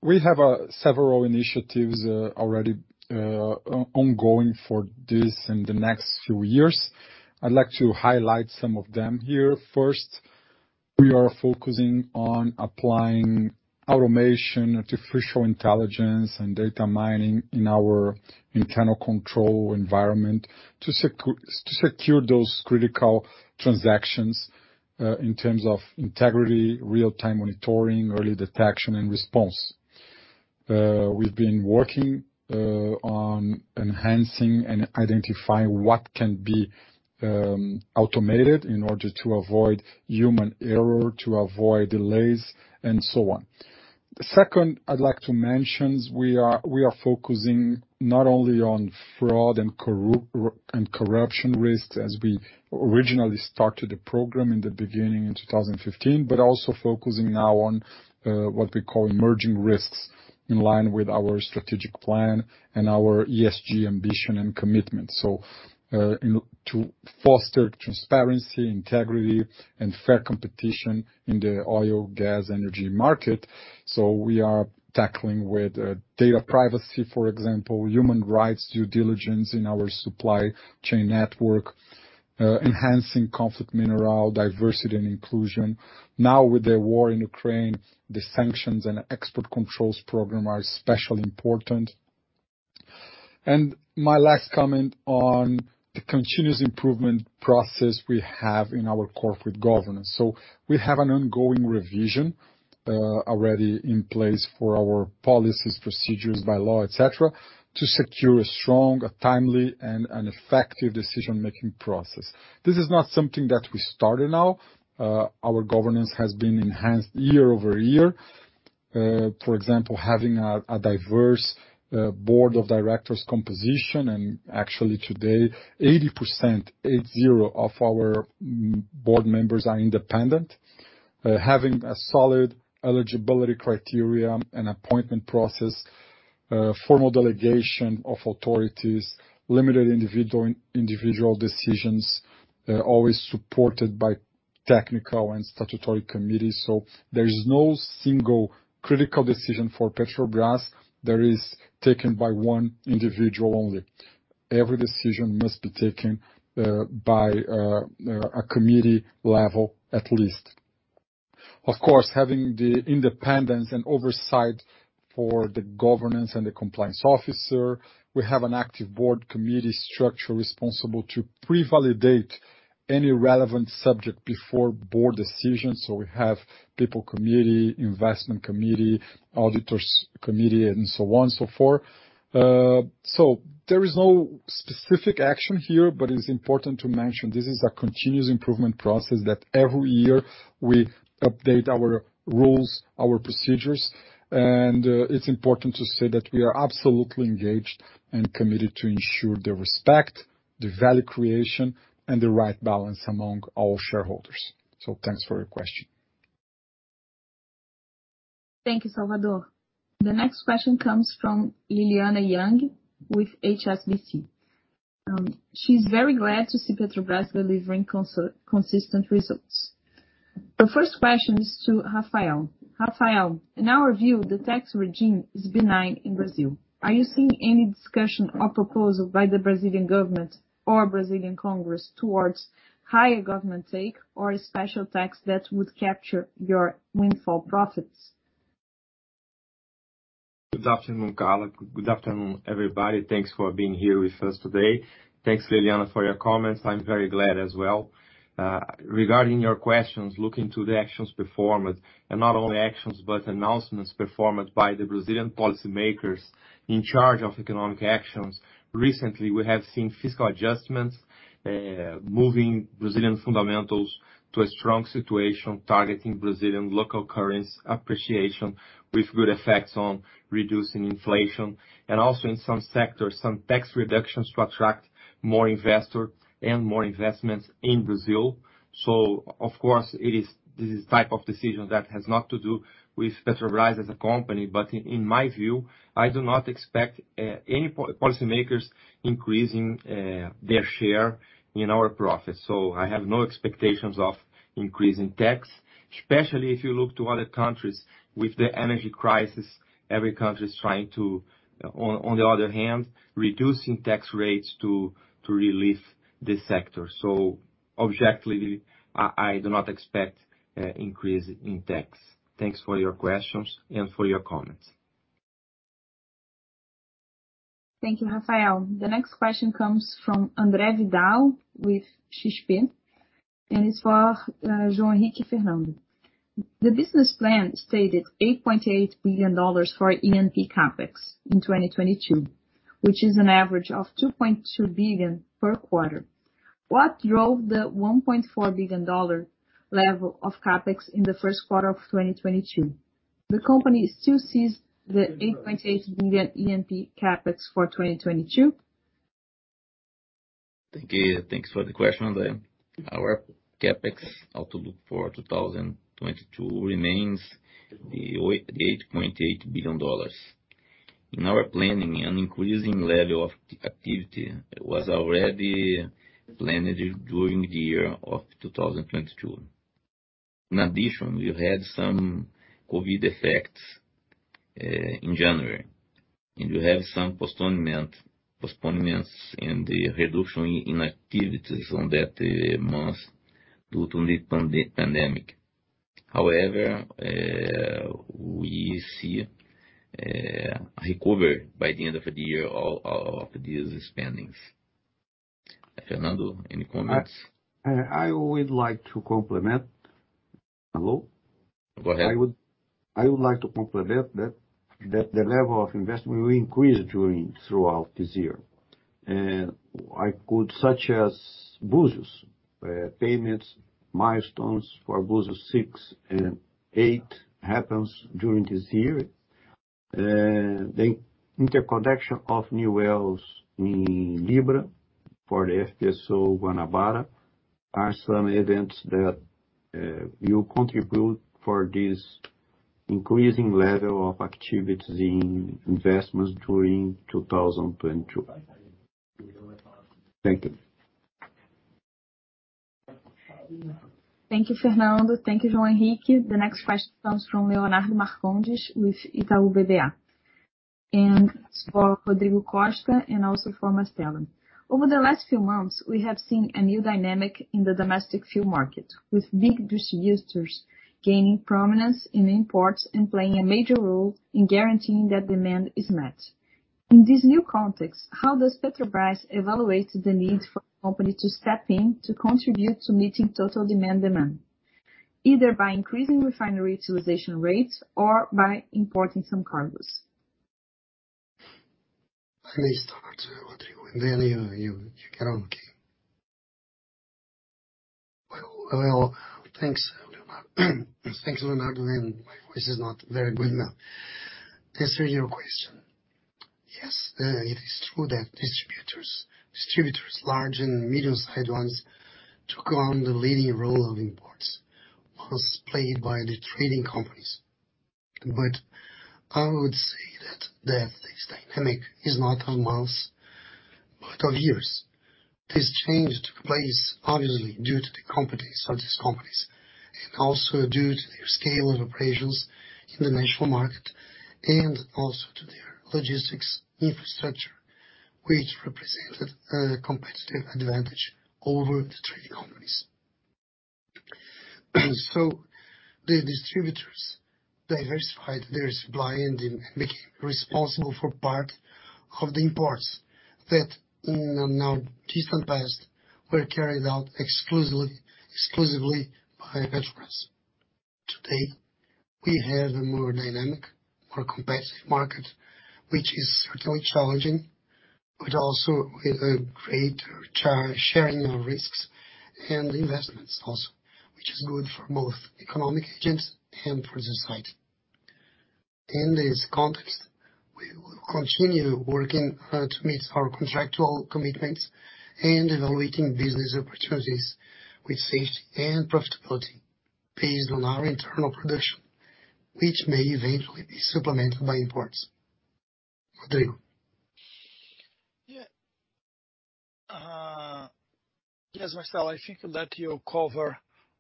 We have several initiatives already ongoing for this and the next few years. I'd like to highlight some of them here. First, we are focusing on applying automation, artificial intelligence and data mining in our internal control environment to secure those critical transactions in terms of integrity, real-time monitoring, early detection and response. We've been working on enhancing and identifying what can be automated in order to avoid human error, to avoid delays, and so on. The second I'd like to mention, we are focusing not only on fraud and corruption risks, as we originally started the program in the beginning in 2015, but also focusing now on what we call emerging risks in line with our strategic plan and our ESG ambition and commitment. To foster transparency, integrity and fair competition in the oil, gas, energy market. We are tackling with data privacy, for example, human rights due diligence in our supply chain network, enhancing conflict minerals, diversity and inclusion. With the war in Ukraine, the sanctions and export controls program are especially important. My last comment on the continuous improvement process we have in our corporate governance. We have an ongoing revision already in place for our policies, procedures, bylaw, et cetera, to secure a strong, timely and effective decision-making process. This is not something that we started now. Our governance has been enhanced year-over-year. For example, having a diverse board of directors composition. Actually today, 80%, 80 of our board members are independent. Having a solid eligibility criteria and appointment process, formal delegation of authorities, limited individual decisions, always supported by technical and statutory committees. There is no single critical decision for Petrobras that is taken by one individual only. Every decision must be taken by a committee level at least. Of course, having the independence and oversight for the governance and the compliance officer. We have an active board committee structure responsible to pre-validate any relevant subject before board decisions. We have people committee, investment committee, auditors committee and so on and so forth. There is no specific action here, but it's important to mention this is a continuous improvement process that every year we update our rules, our procedures. It's important to say that we are absolutely engaged and committed to ensure the respect, the value creation, and the right balance among all shareholders. Thanks for your question. Thank you, Salvador Dahan. The next question comes from Lilyanna Yang with HSBC. She's very glad to see Petrobras delivering consistent results. The first question is to Rafael Chaves. Rafael Chaves, in our view, the tax regime is benign in Brazil. Are you seeing any discussion or proposal by the Brazilian government or Brazilian Congress towards higher government take or a special tax that would capture your windfall profits? Good afternoon, Carla. Good afternoon, everybody. Thanks for being here with us today. Thanks, Lilyanna for your comments. I'm very glad as well. Regarding your questions, looking to the actions performed, and not only actions, but announcements performed by the Brazilian policymakers in charge of economic actions. Recently, we have seen fiscal adjustments, moving Brazilian fundamentals to a strong situation, targeting Brazilian local currency appreciation with good effects on reducing inflation, and also in some sectors, some tax reductions to attract more investors and more investments in Brazil. Of course, it is this type of decision that has not to do with Petrobras as a company, but in my view, I do not expect any policymakers increasing their share in our profits. I have no expectations of increasing tax, especially if you look to other countries with the energy crisis. Every country is trying to, on the other hand, reducing tax rates to relieve the sector. Objectively, I do not expect increase in tax. Thanks for your questions and for your comments. Thank you, Rafael. The next question comes from André Vidal with XP, and it's for João Henrique and Fernando. The business plan stated $8.8 billion for E&P CapEx in 2022, which is an average of $2.2 billion per quarter. What drove the $1.4 billion level of CapEx in the first quarter of 2022? The company still sees the $8.8 billion E&P CapEx for 2022? Thank you. Thanks for the question. Our CapEx outlook for 2022 remains $8.8 billion. In our planning, an increasing level of activity was already planned during the year of 2022. In addition, we had some COVID effects in January, and you have some postponements and the reduction in activities on that month due to the pandemic. However, we see a recovery by the end of the year of these spendings. Fernando, any comments? I would like to complement. Hello? Go ahead. I would like to complement that the level of investment will increase throughout this year. Such as Búzios, payments, milestones for Búzios 6 and 8 happens during this year. The interconnection of new wells in Libra for FPSO Guanabara are some events that will contribute for this increasing level of activities in investments during 2022. Thank you. Thank you, Fernando. Thank you, João Henrique. The next question comes from, and it's for Rodrigo Costa and also for Cláudio Mastella. Over the last few months, we have seen a new dynamic in the domestic fuel market, with big distributors gaining prominence in imports and playing a major role in guaranteeing that demand is met. In this new context, how does Petrobras evaluate the need for the company to step in to contribute to meeting total demand, either by increasing refinery utilization rates or by importing some cargos? I may start, Rodrigo, and then you carry on, okay? Well, thanks, Leonardo. My voice is not very good now. Answering your question, yes, it is true that distributors, large and medium-sized ones, took on the leading role of imports once played by the trading companies. I would say that this dynamic is not of months, but of years. This change took place obviously due to the competencies of these companies, and also due to the scale of operations in the national market and also to their logistics infrastructure, which represented a competitive advantage over the trading companies. The distributors diversified their supply and became responsible for part of the imports that in the now distant past were carried out exclusively by Petrobras. Today, we have a more dynamic, more competitive market, which is certainly challenging, but also with a greater sharing of risks and investments also, which is good for both economic agents and for the society. In this context, we will continue working to meet our contractual commitments and evaluating business opportunities with safety and profitability based on our internal production, which may eventually be supplemented by imports. Rodrigo. Yeah. Yes, Mastella, I think that you cover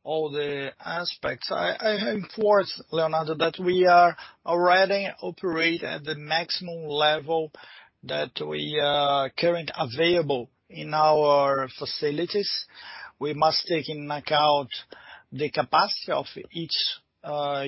all the aspects. I reinforce, Leonardo, that we are already operate at the maximum level that we are currently available in our facilities. We must take into account the capacity of each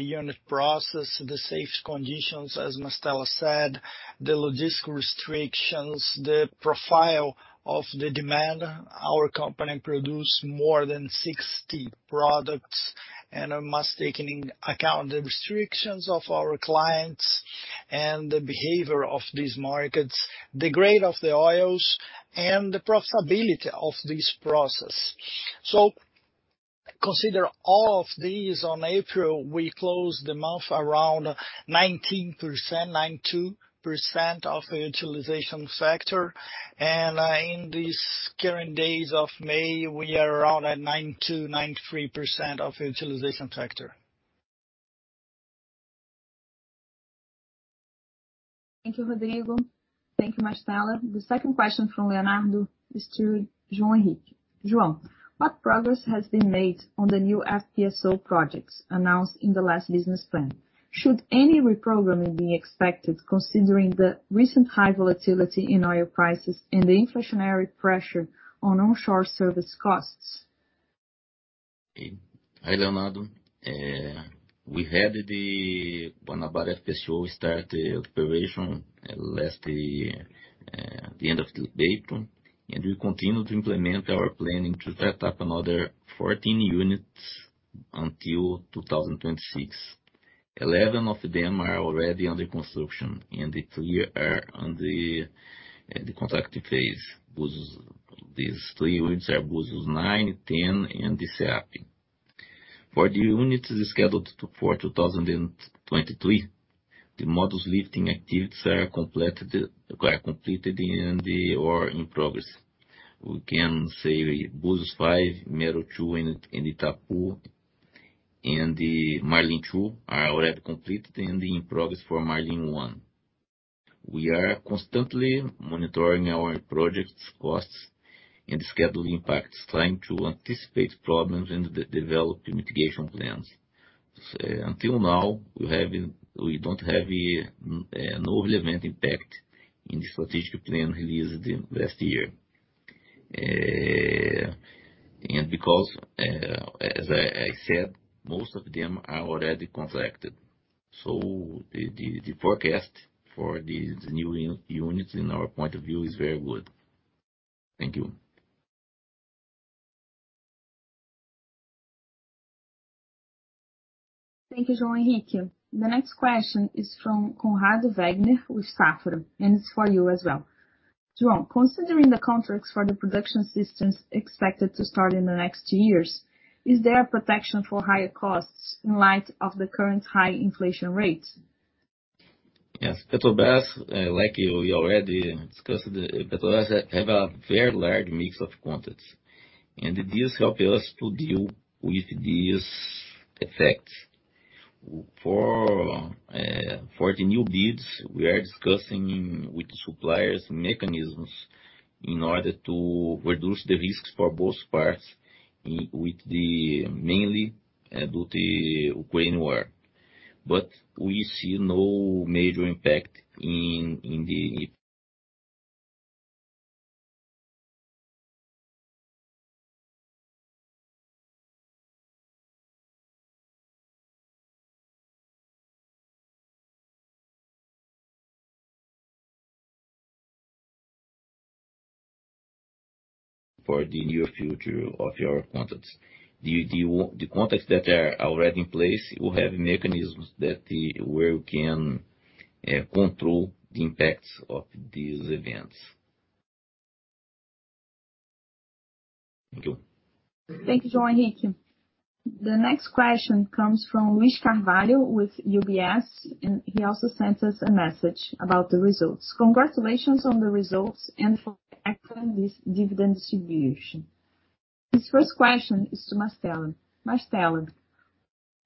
unit process, the safe conditions, as Mastella said, the logistical restrictions, the profile of the demand. Our company produce more than 60 products, and we must take into account the restrictions of our clients and the behavior of these markets, the grade of the oils and the profitability of this process. Consider all of these. In April, we closed the month around 19%, 92% of utilization factor. In these current days of May, we are around at 92, 93% of utilization factor. Thank you, Rodrigo. Thank you, Mastella. The second question from Leonardo is to João Henrique. João, what progress has been made on the new FPSO projects announced in the last business plan? Should any reprogramming be expected considering the recent high volatility in oil prices and the inflationary pressure on onshore service costs? Hi, Leonardo. We had the FPSO Guanabara start the operation last year, the end of April, and we continue to implement our planning to set up another 14 units until 2026. 11 of them are already under construction, and the three are on the contracting phase. These three units are Búzios 9, 10, and the Sépia. For the units scheduled for 2023, the modules lifting activities are completed and/or in progress. We can say Búzios 5, Mero 2, and Itapu, and the Marlim 2 are already completed, and in progress for Marlim 1. We are constantly monitoring our projects costs and scheduling impacts, trying to anticipate problems and develop mitigation plans. Until now, we don't have no relevant impact in the strategic plan released last year. Because as I said, most of them are already contracted. The forecast for these new units in our point of view is very good. Thank you. Thank you, João Henrique. The next question is from Conrado Vegner with Safra, and it's for you as well. João, considering the contracts for the production systems expected to start in the next years, is there a protection for higher costs in light of the current high inflation rates? Yes. Petrobras, like you already discussed, Petrobras have a very large mix of contracts, and this help us to deal with these effects. For the new bids, we are discussing with suppliers mechanisms in order to reduce the risks for both parties mainly due to Ukraine war. We see no major impact in the near future of your contracts. The contracts that are already in place will have mechanisms that we can control the impacts of these events. Thank you. Thank you, João Henrique. The next question comes from Luiz Carvalho with UBS, and he also sends us a message about the results. Congratulations on the results and for excellent dividend distribution. His first question is to Mastella. Mastella,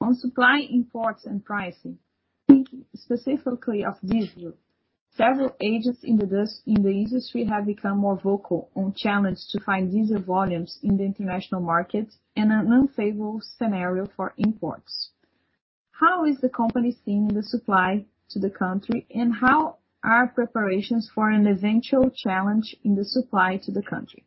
on supply imports and pricing, speaking specifically of diesel, several agents in the downstream industry have become more vocal on challenge to find diesel volumes in the international markets and an unfavorable scenario for imports. How is the company seeing the supply to the country, and how are preparations for an eventual challenge in the supply to the country?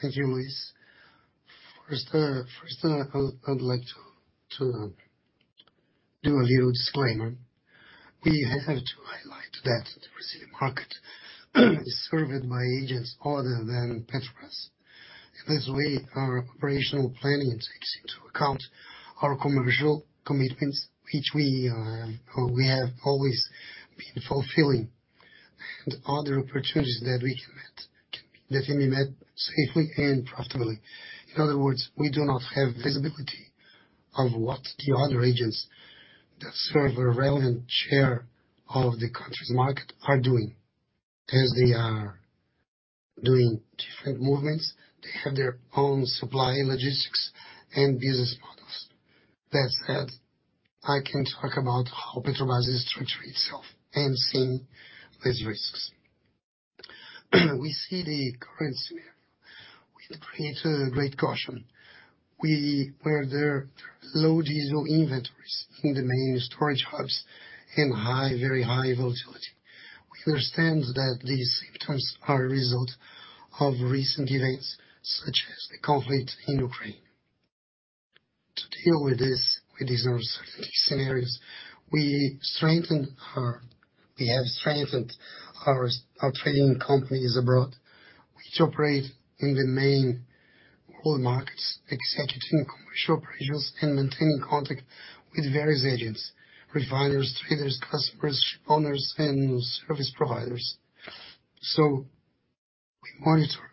Thank you, Luiz. First, I would like to do a little disclaimer. We have to highlight that the Brazilian market is served by agents other than Petrobras. In this way, our operational planning takes into account our commercial commitments, which we have always been fulfilling, and other opportunities that can be met safely and profitably. In other words, we do not have visibility of what the other agents that serve a relevant share of the country's market are doing, as they are doing different movements. They have their own supply logistics and business models. That said, I can talk about how Petrobras is structuring itself and seeing these risks. We see the current scenario will create great caution. Where there are low diesel inventories in the main storage hubs and high, very high volatility. We understand that these symptoms are a result of recent events such as the conflict in Ukraine. To deal with this, with these uncertain scenarios, we have strengthened our trading companies abroad, which operate in the main oil markets, executing commercial operations and maintaining contact with various agents, refiners, traders, customers, owners and service providers. We monitor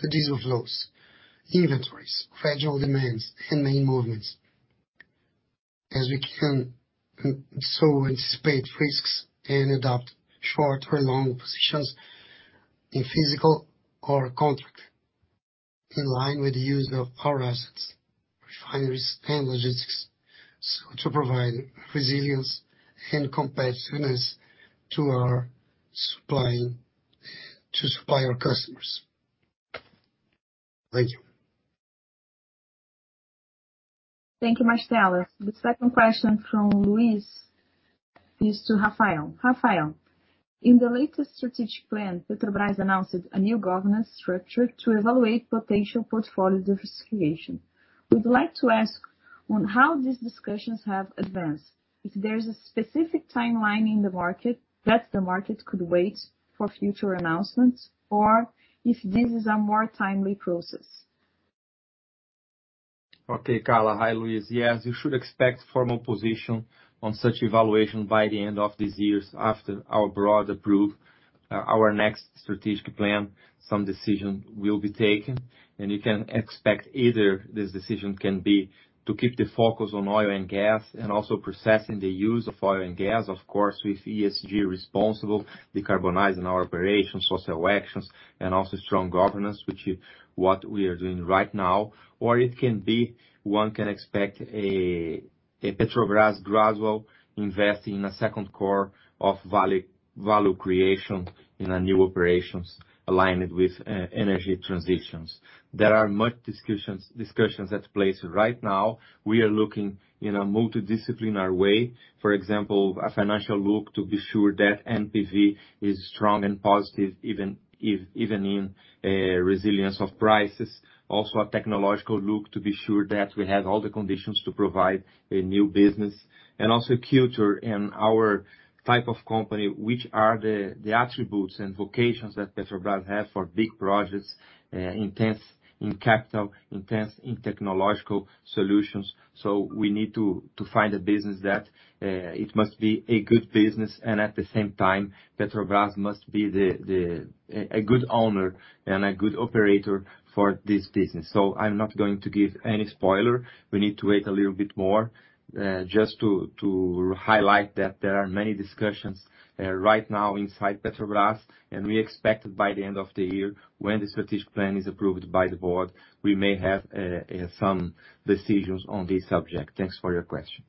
the diesel flows, inventories, fragile demands, and main movements as we can, so anticipate risks and adopt short or long positions in physical or contract in line with the use of our assets, refineries and logistics, so to provide resilience and competitiveness to supply our customers. Thank you. Thank you, Mastella. The second question from Luiz is to Rafael. Rafael, in the latest strategic plan, Petrobras announced a new governance structure to evaluate potential portfolio diversification. We'd like to ask on how these discussions have advanced, if there's a specific timeline in the market that the market could wait for future announcements or if this is a more timely process. Okay, Carla. Hi, Luiz. Yes, you should expect formal position on such evaluation by the end of this year. After our board approve our next strategic plan, some decision will be taken, and you can expect either this decision can be to keep the focus on oil and gas and also promoting the use of oil and gas, of course, with ESG responsibility, decarbonizing our operations, social actions, and also strong governance, which is what we are doing right now. It can be, one can expect a Petrobras gradual investment in a second core of value creation in a new operations aligned with energy transitions. There are much discussions in place right now. We are looking in a multidisciplinary way. For example, a financial look to be sure that NPV is strong and positive, even in a resilience of prices. Also a technological look to be sure that we have all the conditions to provide a new business. Also culture in our type of company, which are the attributes and vocations that Petrobras have for big projects, intense in capital, intense in technological solutions. We need to find a business that it must be a good business, and at the same time, Petrobras must be the a good owner and a good operator for this business. I'm not going to give any spoiler. We need to wait a little bit more, just to highlight that there are many discussions right now inside Petrobras, and we expect by the end of the year, when the strategic plan is approved by the board, we may have some decisions on this subject. Thanks for your question.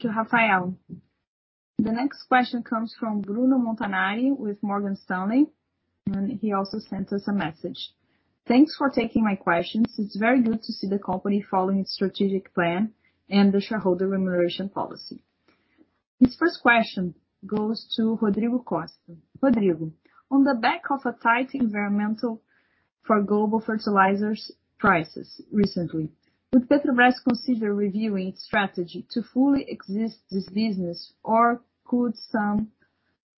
To Rafael. The next question comes from Bruno Montanari with Morgan Stanley, and he also sent us a message. Thanks for taking my questions. It's very good to see the company following its strategic plan and the shareholder remuneration policy. His first question goes to Rodrigo Costa. Rodrigo, on the back of a tight environment for global fertilizers prices recently, would Petrobras consider reviewing its strategy to fully exit this business, or could some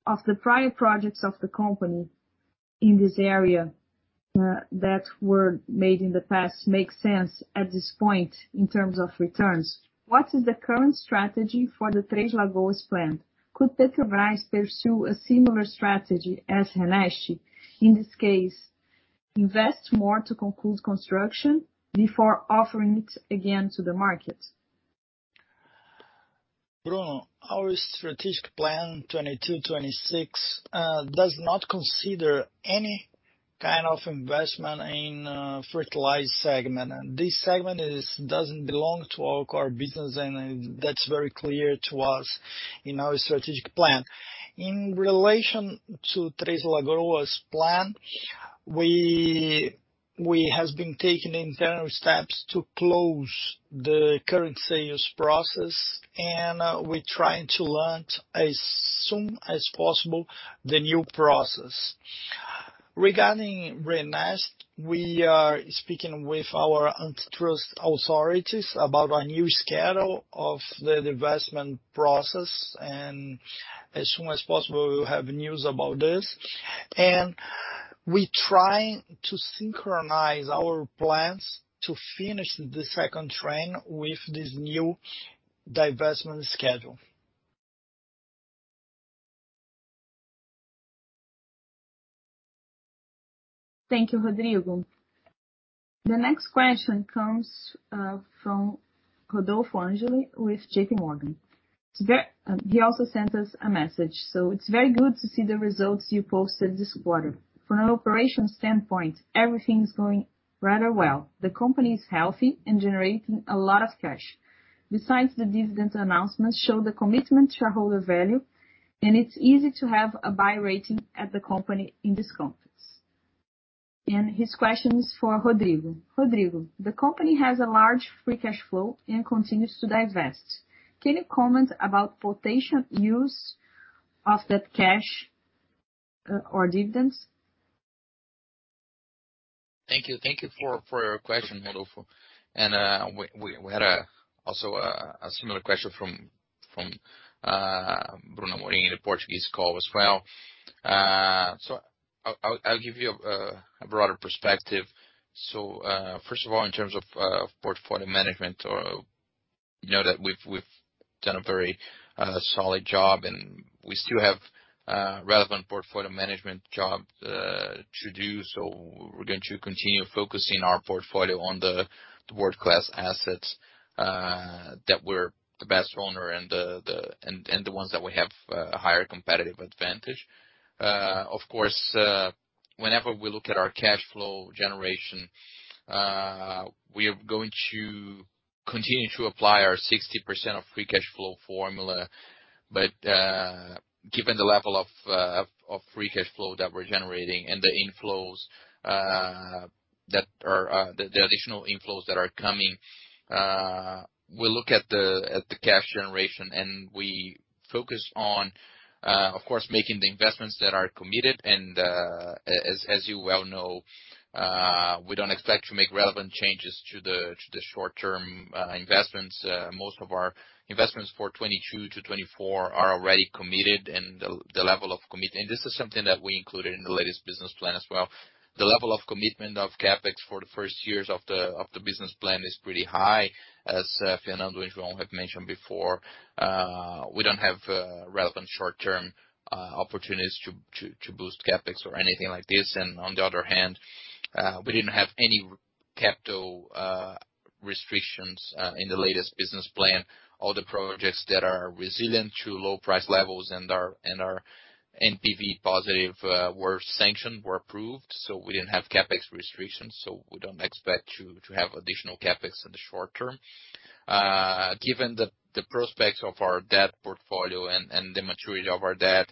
of the prior projects of the company in this area that were made in the past make sense at this point in terms of returns? What is the current strategy for the Três Lagoas plant? Could Petrobras pursue a similar strategy as RNEST? In this case, invest more to conclude construction before offering it again to the market. Bruno, our strategic plan 2022-2026 does not consider any kind of investment in fertilizer segment. This segment doesn't belong to all core business, and that's very clear to us in our strategic plan. In relation to Três Lagoas plan, we has been taking internal steps to close the current sales process, and we're trying to launch as soon as possible the new process. Regarding RNEST, we are speaking with our antitrust authorities about our new schedule of the divestment process, and as soon as possible we will have news about this. We try to synchronize our plans to finish the second train with this new divestment schedule. Thank you, Rodrigo. The next question comes from Rodolfo Angele with JPMorgan. He also sends us a message. It's very good to see the results you posted this quarter. From an operations standpoint, everything is going rather well. The company is healthy and generating a lot of cash. Besides the dividends announcement show the commitment to shareholder value, and it's easy to have a buy rating at the company in this context. His question is for Rodrigo. Rodrigo, the company has a large free cash flow and continues to divest. Can you comment about potential use of that cash or dividends? Thank you for your question, Rodolfo. We had also a similar question from Bruno Montanari in the Portuguese call as well. I'll give you a broader perspective. First of all, in terms of portfolio management or, you know, that we've done a very solid job and we still have relevant portfolio management job to do. We're going to continue focusing our portfolio on the world-class assets that we're the best owner and the ones that we have a higher competitive advantage. Of course, whenever we look at our cash flow generation, we are going to continue to apply our 60% of free cash flow formula. Given the level of free cash flow that we're generating and the additional inflows that are coming, we look at the cash generation, and we focus on, of course, making the investments that are committed. As you well know, we don't expect to make relevant changes to the short-term investments. Most of our investments for 2022 to 2024 are already committed and the level of commitment. This is something that we included in the latest business plan as well. The level of commitment of CapEx for the first years of the business plan is pretty high, as Fernando and João have mentioned before. We don't have relevant short-term opportunities to boost CapEx or anything like this. On the other hand, we didn't have any capital restrictions in the latest business plan. All the projects that are resilient to low price levels and are NPV positive were sanctioned, were approved, so we didn't have CapEx restrictions, so we don't expect to have additional CapEx in the short term. Given the prospects of our debt portfolio and the maturity of our debt,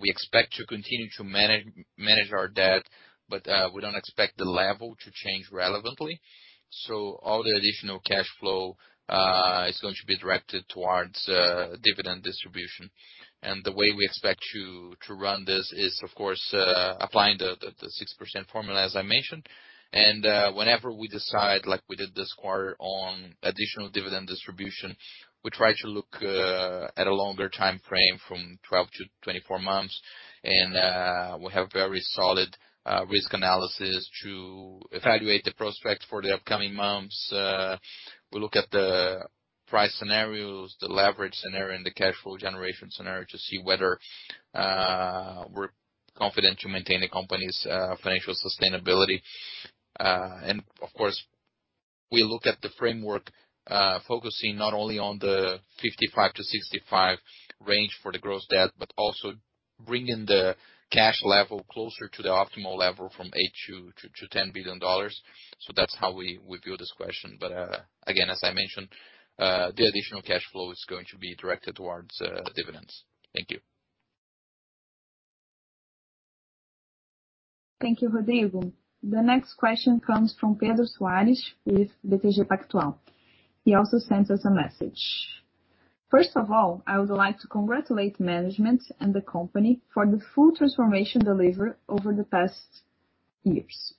we expect to continue to manage our debt, but we don't expect the level to change relevantly. All the additional cash flow is going to be directed towards dividend distribution. The way we expect to run this is, of course, applying the 6% formula, as I mentioned. Whenever we decide, like we did this quarter, on additional dividend distribution, we try to look at a longer timeframe from 12-24 months. We have very solid risk analysis to evaluate the prospects for the upcoming months. We look at the price scenarios, the leverage scenario, and the cash flow generation scenario to see whether we're confident to maintain the company's financial sustainability. Of course, we look at the framework focusing not only on the 55-65 range for the gross debt, but also bringing the cash level closer to the optimal level from $8 billion-$10 billion. That's how we view this question. Again, as I mentioned, the additional cash flow is going to be directed towards dividends. Thank you. Thank you, Rodrigo. The next question comes from Pedro Soares with BTG Pactual. He also sends us a message. First of all, I would like to congratulate management and the company for the full transformation delivered over the past years.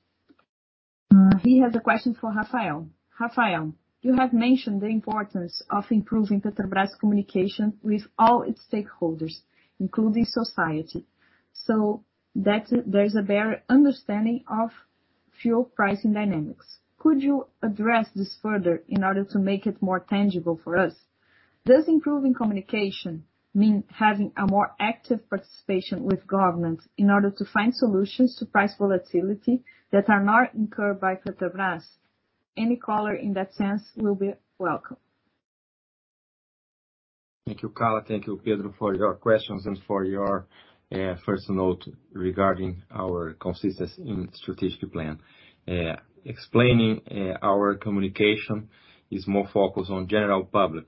He has a question for Rafael. Rafael, you have mentioned the importance of improving Petrobras' communication with all its stakeholders, including society, so that there's a better understanding of fuel pricing dynamics. Could you address this further in order to make it more tangible for us? Does improving communication mean having a more active participation with government in order to find solutions to price volatility that are not incurred by Petrobras? Any color in that sense will be welcome. Thank you, Carla. Thank you, Pedro, for your questions and for your first note regarding our consistency in strategic plan. Explaining our communication is more focused on general public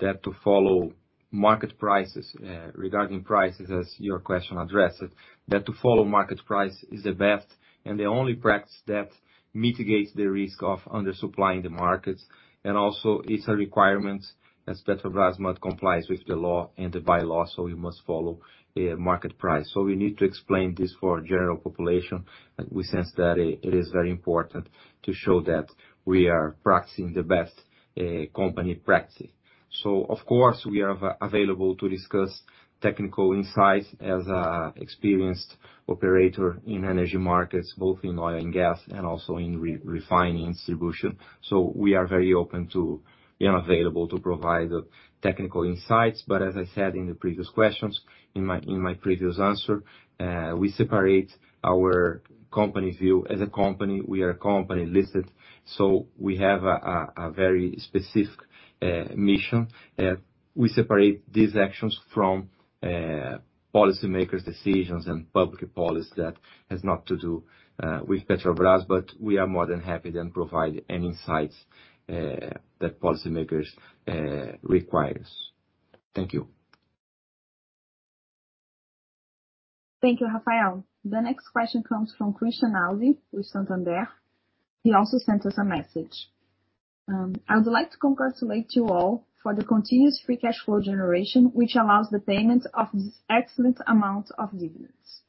than to follow market prices, regarding prices as your question addresses. That to follow market price is the best and the only practice that mitigates the risk of under supplying the markets. Also it's a requirement as Petrobras must complies with the law and the bylaw, so we must follow market price. We need to explain this for general population. We sense that it is very important to show that we are practicing the best company practice. Of course, we are available to discuss technical insights as experienced operator in energy markets, both in oil and gas and also in refining distribution. We are very open to and available to provide technical insights, but as I said in the previous questions, in my previous answer, we separate our company's view. As a company, we are a company listed, so we have a very specific mission. We separate these actions from policymakers' decisions and public policy that has not to do with Petrobras. But we are more than happy to provide any insights that policymakers requires. Thank you. Thank you, Rafael. The next question comes from Christian Audi with Santander. He also sent us a message. "I would like to congratulate you all for the continuous free cash flow generation, which allows the payment of this excellent amount of dividends."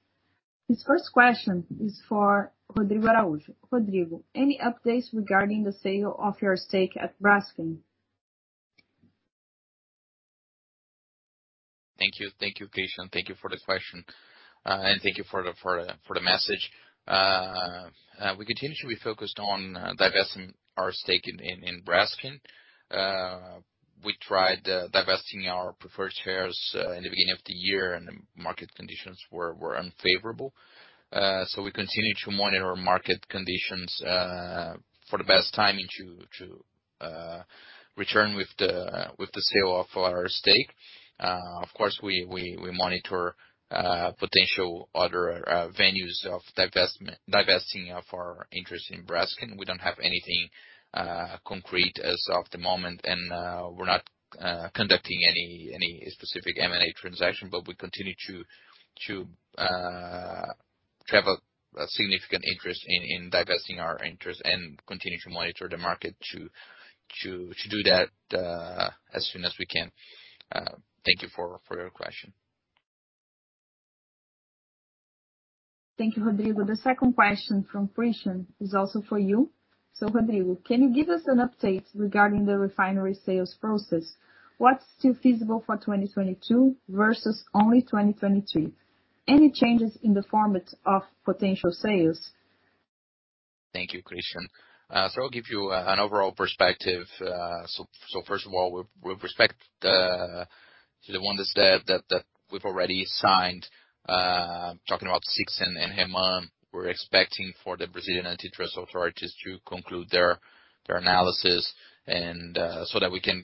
His first question is for Rodrigo Araujo. Rodrigo, any updates regarding the sale of your stake at Braskem? Thank you. Thank you, Christian. Thank you for the question. Thank you for the message. We continue to be focused on divesting our stake in Braskem. We tried divesting our preferred shares in the beginning of the year, and the market conditions were unfavorable. We continue to monitor market conditions for the best timing to return with the sale of our stake. Of course, we monitor potential other venues of divestment, divesting of our interest in Braskem. We don't have anything concrete as of the moment. We're not conducting any specific M&A transaction. We continue to have a significant interest in divesting our interest and continue to monitor the market to do that as soon as we can. Thank you for your question. Thank you, Rodrigo. The second question from Christian is also for you. Rodrigo, can you give us an update regarding the refinery sales process? What's still feasible for 2022 versus only 2023? Any changes in the format of potential sales? Thank you, Christian. I'll give you an overall perspective. First of all, with respect to the ones that we've already signed, talking about SIX and REMAN, we're expecting for the Brazilian antitrust authorities to conclude their analysis so that we can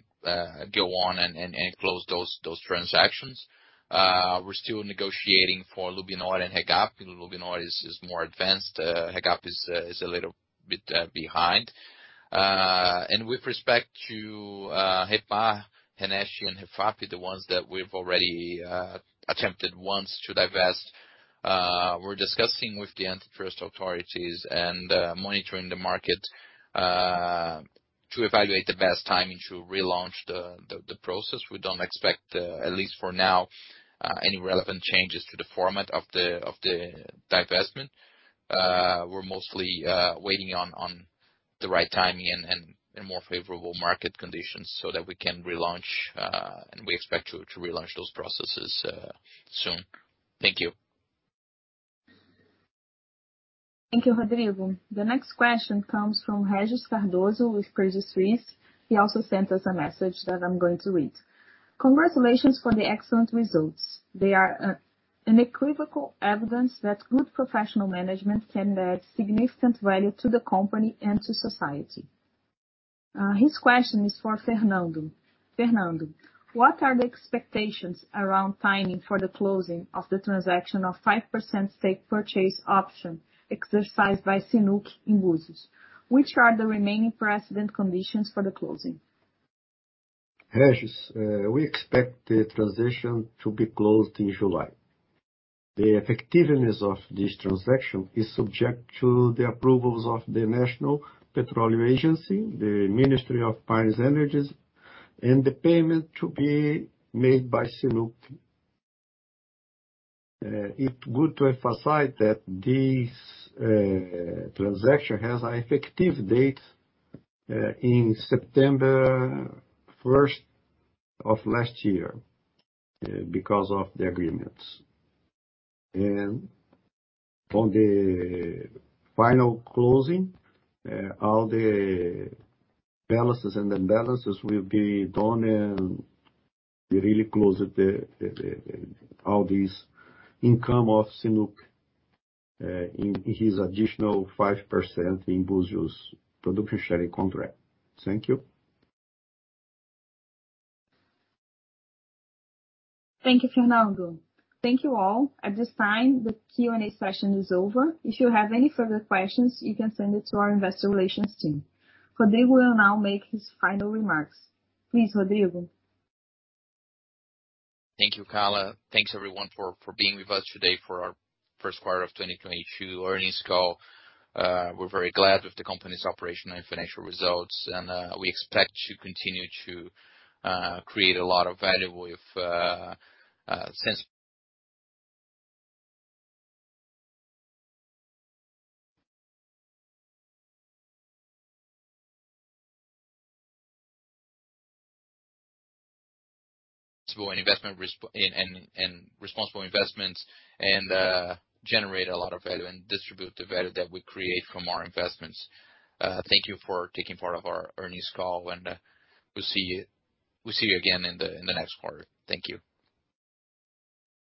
go on and close those transactions. We're still negotiating for LUBNOR and REGAP. LUBNOR is more advanced. REGAP is a little bit behind. With respect to REPAR, REFAP and RNEST, the ones that we've already attempted once to divest, we're discussing with the antitrust authorities and monitoring the market to evaluate the best timing to relaunch the process. We don't expect, at least for now, any relevant changes to the format of the divestment. We're mostly waiting on the right timing and more favorable market conditions so that we can relaunch, and we expect to relaunch those processes soon. Thank you. Thank you, Rodrigo. The next question comes from Regis Cardoso with Credit Suisse. He also sent us a message that I'm going to read. "Congratulations for the excellent results. They are an unequivocal evidence that good professional management can add significant value to the company and to society." His question is for Fernando. Fernando, what are the expectations around timing for the closing of the transaction of 5% stake purchase option exercised by CNOOC in Búzios? Which are the remaining precedent conditions for the closing? Regis Cardoso, we expect the transition to be closed in July. The effectiveness of this transaction is subject to the approvals of the National Agency of Petroleum, Natural Gas and Biofuels, the Ministry of Mines and Energy, and the payment to be made by CNOOC. It's good to emphasize that this transaction has an effective date in September first of last year because of the agreements. On the final closing, all the balances will be done, and we really closed all these income of CNOOC in his additional 5% in Búzios production sharing contract. Thank you. Thank you, Fernando. Thank you, all. At this time, the Q&A session is over. If you have any further questions, you can send it to our investor relations team. Rodrigo will now make his final remarks. Please, Rodrigo. Thank you, Carla. Thanks everyone for being with us today for our first quarter of 2022 earnings call. We're very glad with the company's operational and financial results, and we expect to continue to create a lot of value with responsible investments and generate a lot of value and distribute the value that we create from our investments. Thank you for taking part of our earnings call, and we'll see you again in the next quarter. Thank you.